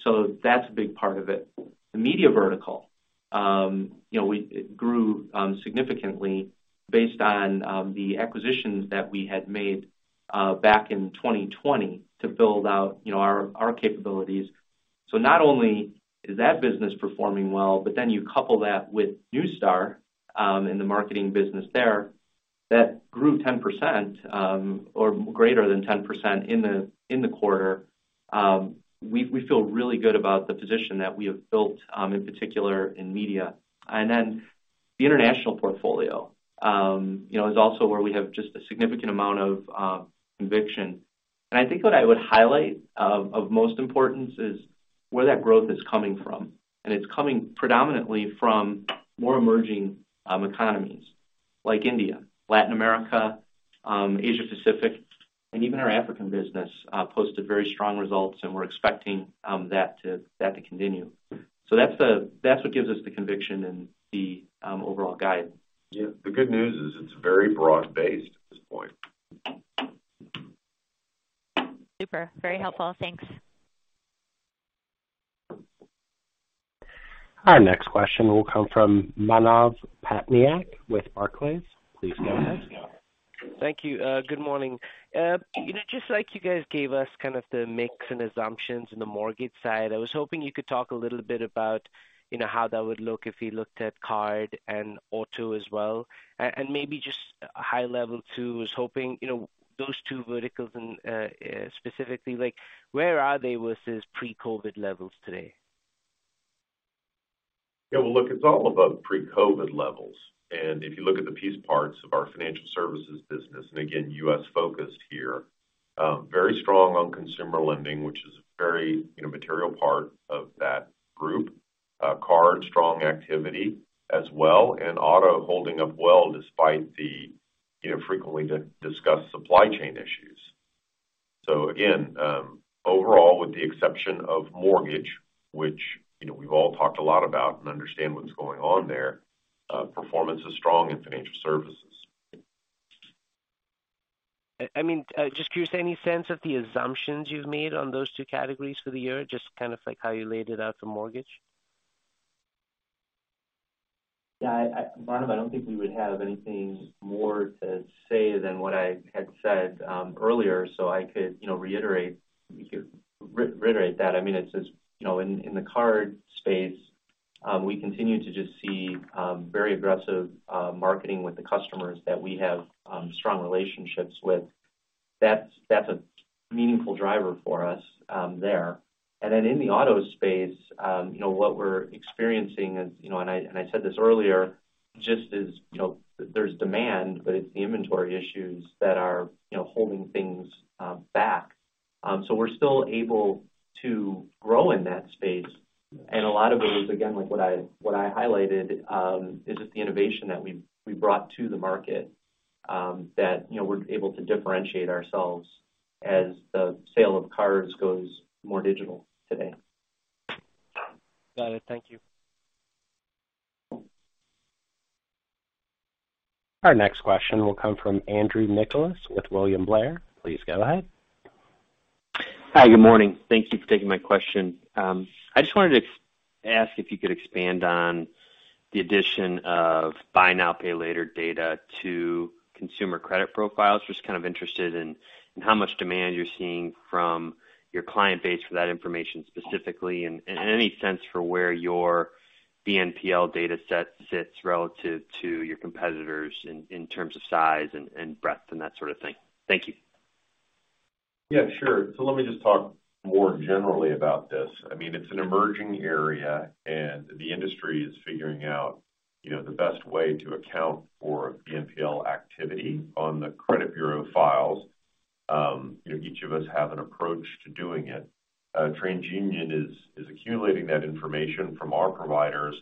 That's a big part of it. The media vertical, you know, we grew significantly based on the acquisitions that we had made back in 2020 to build out, you know, our capabilities. Not only is that business performing well, but then you couple that with Neustar in the marketing business there, that grew 10%, or greater than 10% in the quarter. We feel really good about the position that we have built in particular in media. The international portfolio you know is also where we have just a significant amount of conviction. I think what I would highlight of most importance is where that growth is coming from. It's coming predominantly from more emerging economies like India, Latin America, Asia-Pacific, and even our African business posted very strong results, and we're expecting that to continue. That's what gives us the conviction and the overall guide. Yeah. The good news is it's very broad-based at this point. Super, very helpful. Thanks. Our next question will come from Manav Patnaik with Barclays. Please go ahead. Thank you. Good morning. You know, just like you guys gave us kind of the mix and assumptions in the mortgage side, I was hoping you could talk a little bit about, you know, how that would look if you looked at card and auto as well. Maybe just high level too, I was hoping, you know, those two verticals and, specifically, like where are they versus pre-COVID levels today? Yeah, well, look, it's all above pre-COVID levels. If you look at the piece parts of our financial services business, and again, U.S. focused here, very strong on consumer lending, which is a very, you know, material part of that group. Cards strong activity as well, and auto holding up well despite the, you know, frequently discussed supply chain issues. Again, overall with the exception of mortgage, which, you know, we've all talked a lot about and understand what's going on there, performance is strong in financial services. I mean, just curious, any sense of the assumptions you've made on those two categories for the year, just kind of like how you laid it out for mortgage? Yeah. Manav, I don't think we would have anything more to say than what I had said earlier. I could, you know, reiterate. We could reiterate that. I mean, it's you know, in the card space, we continue to just see very aggressive marketing with the customers that we have strong relationships with. That's a meaningful driver for us there. Then in the auto space, what we're experiencing is, and I said this earlier, just is, there's demand, but it's the inventory issues that are holding things back. We're still able to grow in that space. A lot of it is, again, like what I highlighted, is just the innovation that we've brought to the market, that, you know, we're able to differentiate ourselves as the sale of cars goes more digital today. Got it. Thank you. Our next question will come from Andrew Nicholas with William Blair. Please go ahead. Hi, good morning. Thank you for taking my question. I just wanted to ask if you could expand on the addition of buy now, pay later data to consumer credit profiles. Just kind of interested in how much demand you're seeing from your client base for that information specifically, and any sense for where your BNPL data set sits relative to your competitors in terms of size and breadth and that sort of thing. Thank you. Yeah, sure. Let me just talk more generally about this. I mean, it's an emerging area, and the industry is figuring out, you know, the best way to account for BNPL activity on the credit bureau files. You know, each of us have an approach to doing it. TransUnion is accumulating that information from our providers,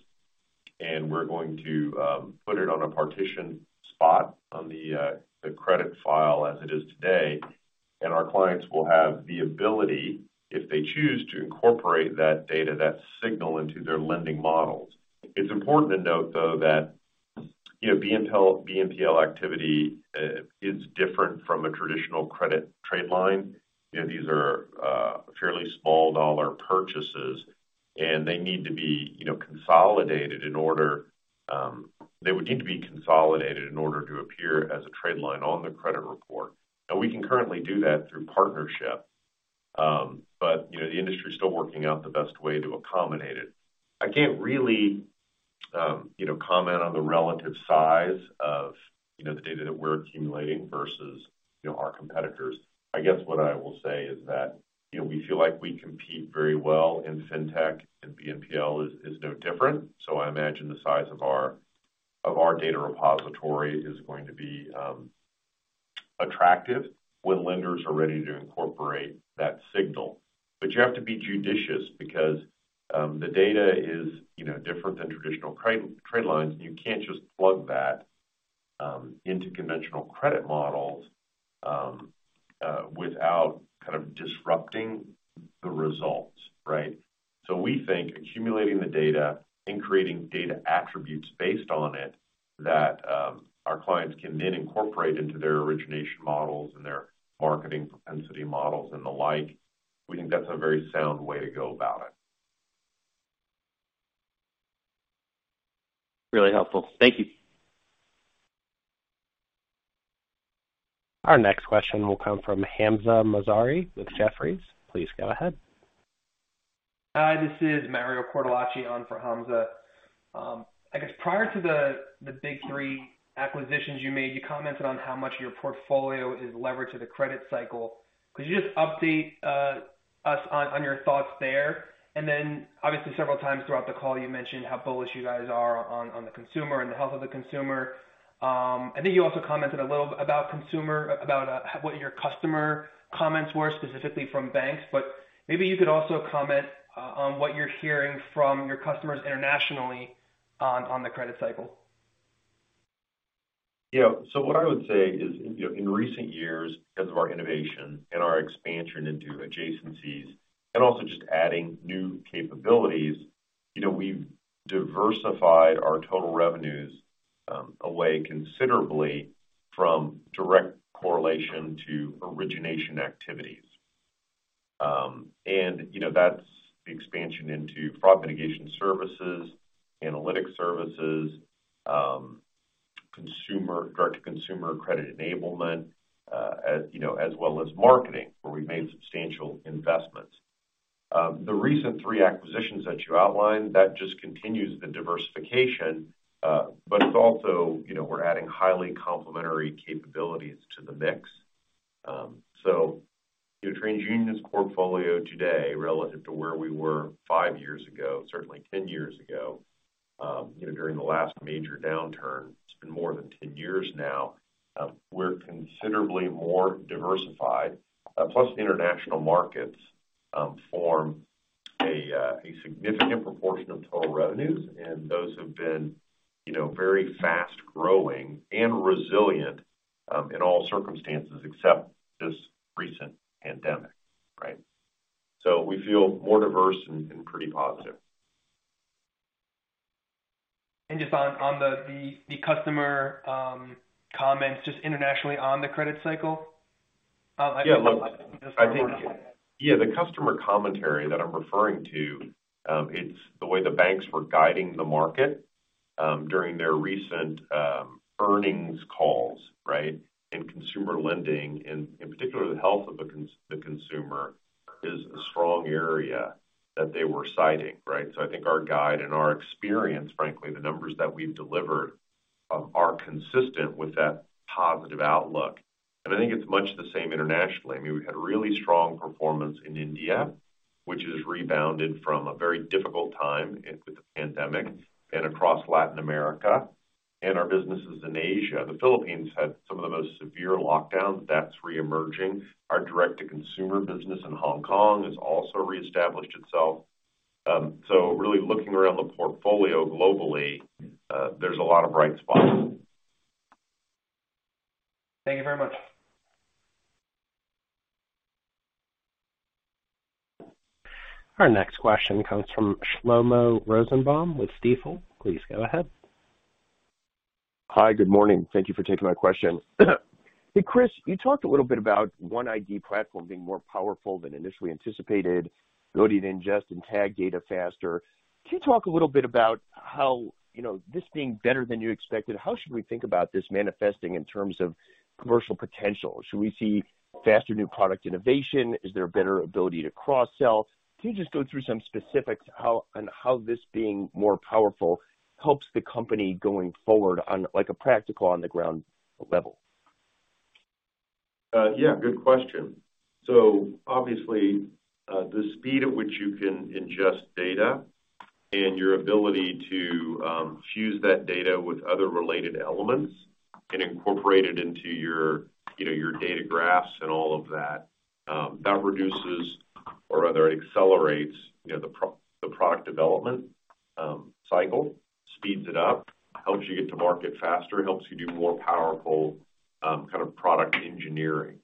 and we're going to put it on a partition spot on the credit file as it is today, and our clients will have the ability, if they choose, to incorporate that data, that signal into their lending models. It's important to note, though, that, you know, BNPL activity is different from a traditional credit trade line. You know, these are fairly small dollar purchases, and they need to be, you know, consolidated in order. They would need to be consolidated in order to appear as a trade line on the credit report. Now we can currently do that through partnership, but, you know, the industry is still working out the best way to accommodate it. I can't really, you know, comment on the relative size of, you know, the data that we're accumulating versus, you know, our competitors. I guess what I will say is that, you know, we feel like we compete very well in fintech and BNPL is no different. So I imagine the size of our data repository is going to be attractive when lenders are ready to incorporate that signal. But you have to be judicious because the data is, you know, different than traditional credit trade lines. You can't just plug that into conventional credit models without kind of disrupting the results, right? We think accumulating the data and creating data attributes based on it that our clients can then incorporate into their origination models and their marketing propensity models and the like, we think that's a very sound way to go about it. Really helpful. Thank you. Our next question will come from Hamza Mazari with Jefferies. Please go ahead. Hi, this is Mario Cortellacci on for Hamza. I guess prior to the big three acquisitions you made, you commented on how much your portfolio is levered to the credit cycle. Could you just update us on your thoughts there? Obviously several times throughout the call you mentioned how bullish you guys are on the consumer and the health of the consumer. I think you also commented a little about what your customer comments were specifically from banks, but maybe you could also comment on what you're hearing from your customers internationally on the credit cycle. Yeah. What I would say is, you know, in recent years, because of our innovation and our expansion into adjacencies and also just adding new capabilities, you know, we've diversified our total revenues away considerably from direct correlation to origination activities. You know, that's the expansion into fraud mitigation services, analytics services, consumer direct to consumer credit enablement, as, you know, as well as marketing, where we've made substantial investments. The recent three acquisitions that you outlined, that just continues the diversification, but it's also, you know, we're adding highly complementary capabilities to the mix. You know, TransUnion's portfolio today relative to where we were five years ago, certainly ten years ago, you know, during the last major downturn, it's been more than ten years now, we're considerably more diversified. Plus the international markets form a significant proportion of total revenues, and those have been, you know, very fast-growing and resilient in all circumstances except this recent pandemic, right? We feel more diverse and pretty positive. Just on the customer comments, just internationally on the credit cycle. I think Yeah, look. Just one more to add. I think yeah, the customer commentary that I'm referring to, it's the way the banks were guiding the market during their recent earnings calls, right? In consumer lending, in particular, the health of the consumer is a strong area that they were citing, right? I think our guide and our experience, frankly, the numbers that we've delivered are consistent with that positive outlook. I think it's much the same internationally. I mean, we've had really strong performance in India, which has rebounded from a very difficult time with the pandemic and across Latin America and our businesses in Asia. The Philippines had some of the most severe lockdowns. That's reemerging. Our direct-to-consumer business in Hong Kong has also reestablished itself. Really looking around the portfolio globally, there's a lot of bright spots. Thank you very much. Our next question comes from Shlomo Rosenbaum with Stifel. Please go ahead. Hi. Good morning. Thank you for taking my question. Hey, Chris, you talked a little bit about OneID platform being more powerful than initially anticipated, ability to ingest and tag data faster. Can you talk a little bit about how, you know, this being better than you expected, how should we think about this manifesting in terms of commercial potential? Should we see faster new product innovation? Is there a better ability to cross-sell? Can you just go through some specifics on how this being more powerful helps the company going forward on, like, a practical on the ground level? Yeah, good question. Obviously, the speed at which you can ingest data and your ability to fuse that data with other related elements and incorporate it into your, you know, your data graphs and all of that reduces or rather accelerates, you know, the product development cycle, speeds it up, helps you get to market faster, helps you do more powerful kind of product engineering.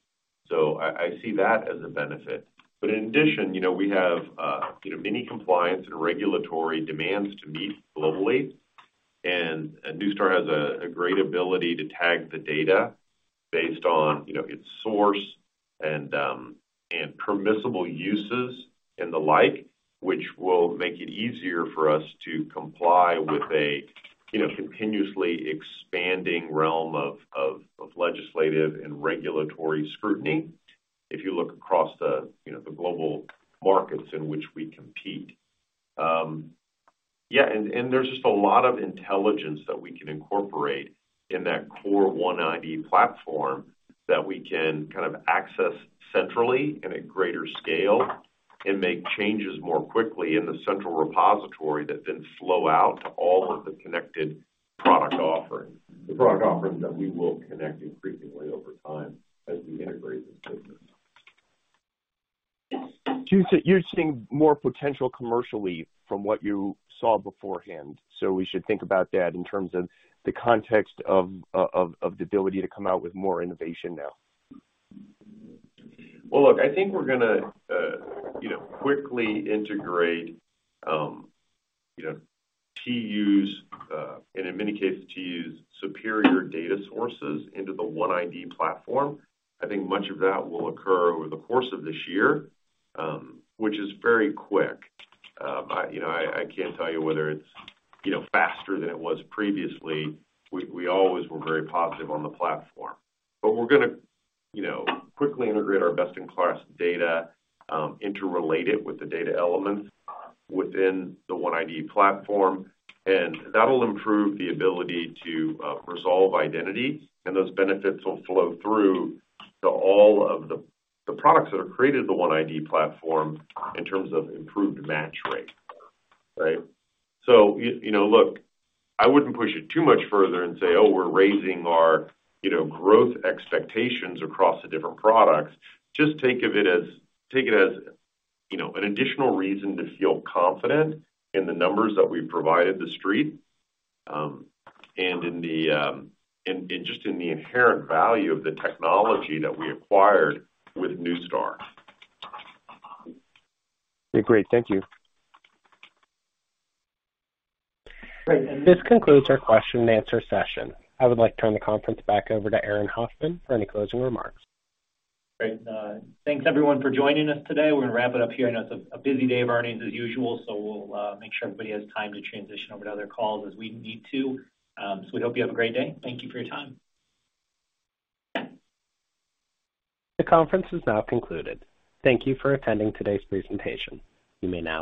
I see that as a benefit. In addition, you know, we have, you know, many compliance and regulatory demands to meet globally. Neustar has a great ability to tag the data based on, you know, its source and permissible uses and the like, which will make it easier for us to comply with a, you know, continuously expanding realm of legislative and regulatory scrutiny if you look across the, you know, the global markets in which we compete. There's just a lot of intelligence that we can incorporate in that core OneID platform that we can kind of access centrally in a greater scale and make changes more quickly in the central repository that then flow out to all of the connected product offerings, the product offerings that we will connect increasingly over time as we integrate the platform. You're seeing more potential commercially from what you saw beforehand. We should think about that in terms of the context of the ability to come out with more innovation now. Well, look, I think we're gonna, you know, quickly integrate, you know, TU's, and in many cases, TU's superior data sources into the OneID platform. I think much of that will occur over the course of this year, which is very quick. I, you know, I can't tell you whether it's, you know, faster than it was previously. We always were very positive on the platform. We're gonna, you know, quickly integrate our best-in-class data, interrelated with the data elements within the OneID platform, and that'll improve the ability to resolve identity, and those benefits will flow through to all of the products that have created the OneID platform in terms of improved match rate. Right? You know, look, I wouldn't push it too much further and say, "Oh, we're raising our, you know, growth expectations across the different products." Just think of it as, you know, an additional reason to feel confident in the numbers that we've provided the Street, and just in the inherent value of the technology that we acquired with Neustar. Okay, great. Thank you. This concludes our question and answer session. I would like to turn the conference back over to Aaron Hoffman for any closing remarks. Great. Thanks everyone for joining us today. We're gonna wrap it up here. I know it's a busy day of earnings as usual, so we'll make sure everybody has time to transition over to other calls as we need to. We hope you have a great day. Thank you for your time. The conference is now concluded. Thank you for attending today's presentation. You may now disconnect.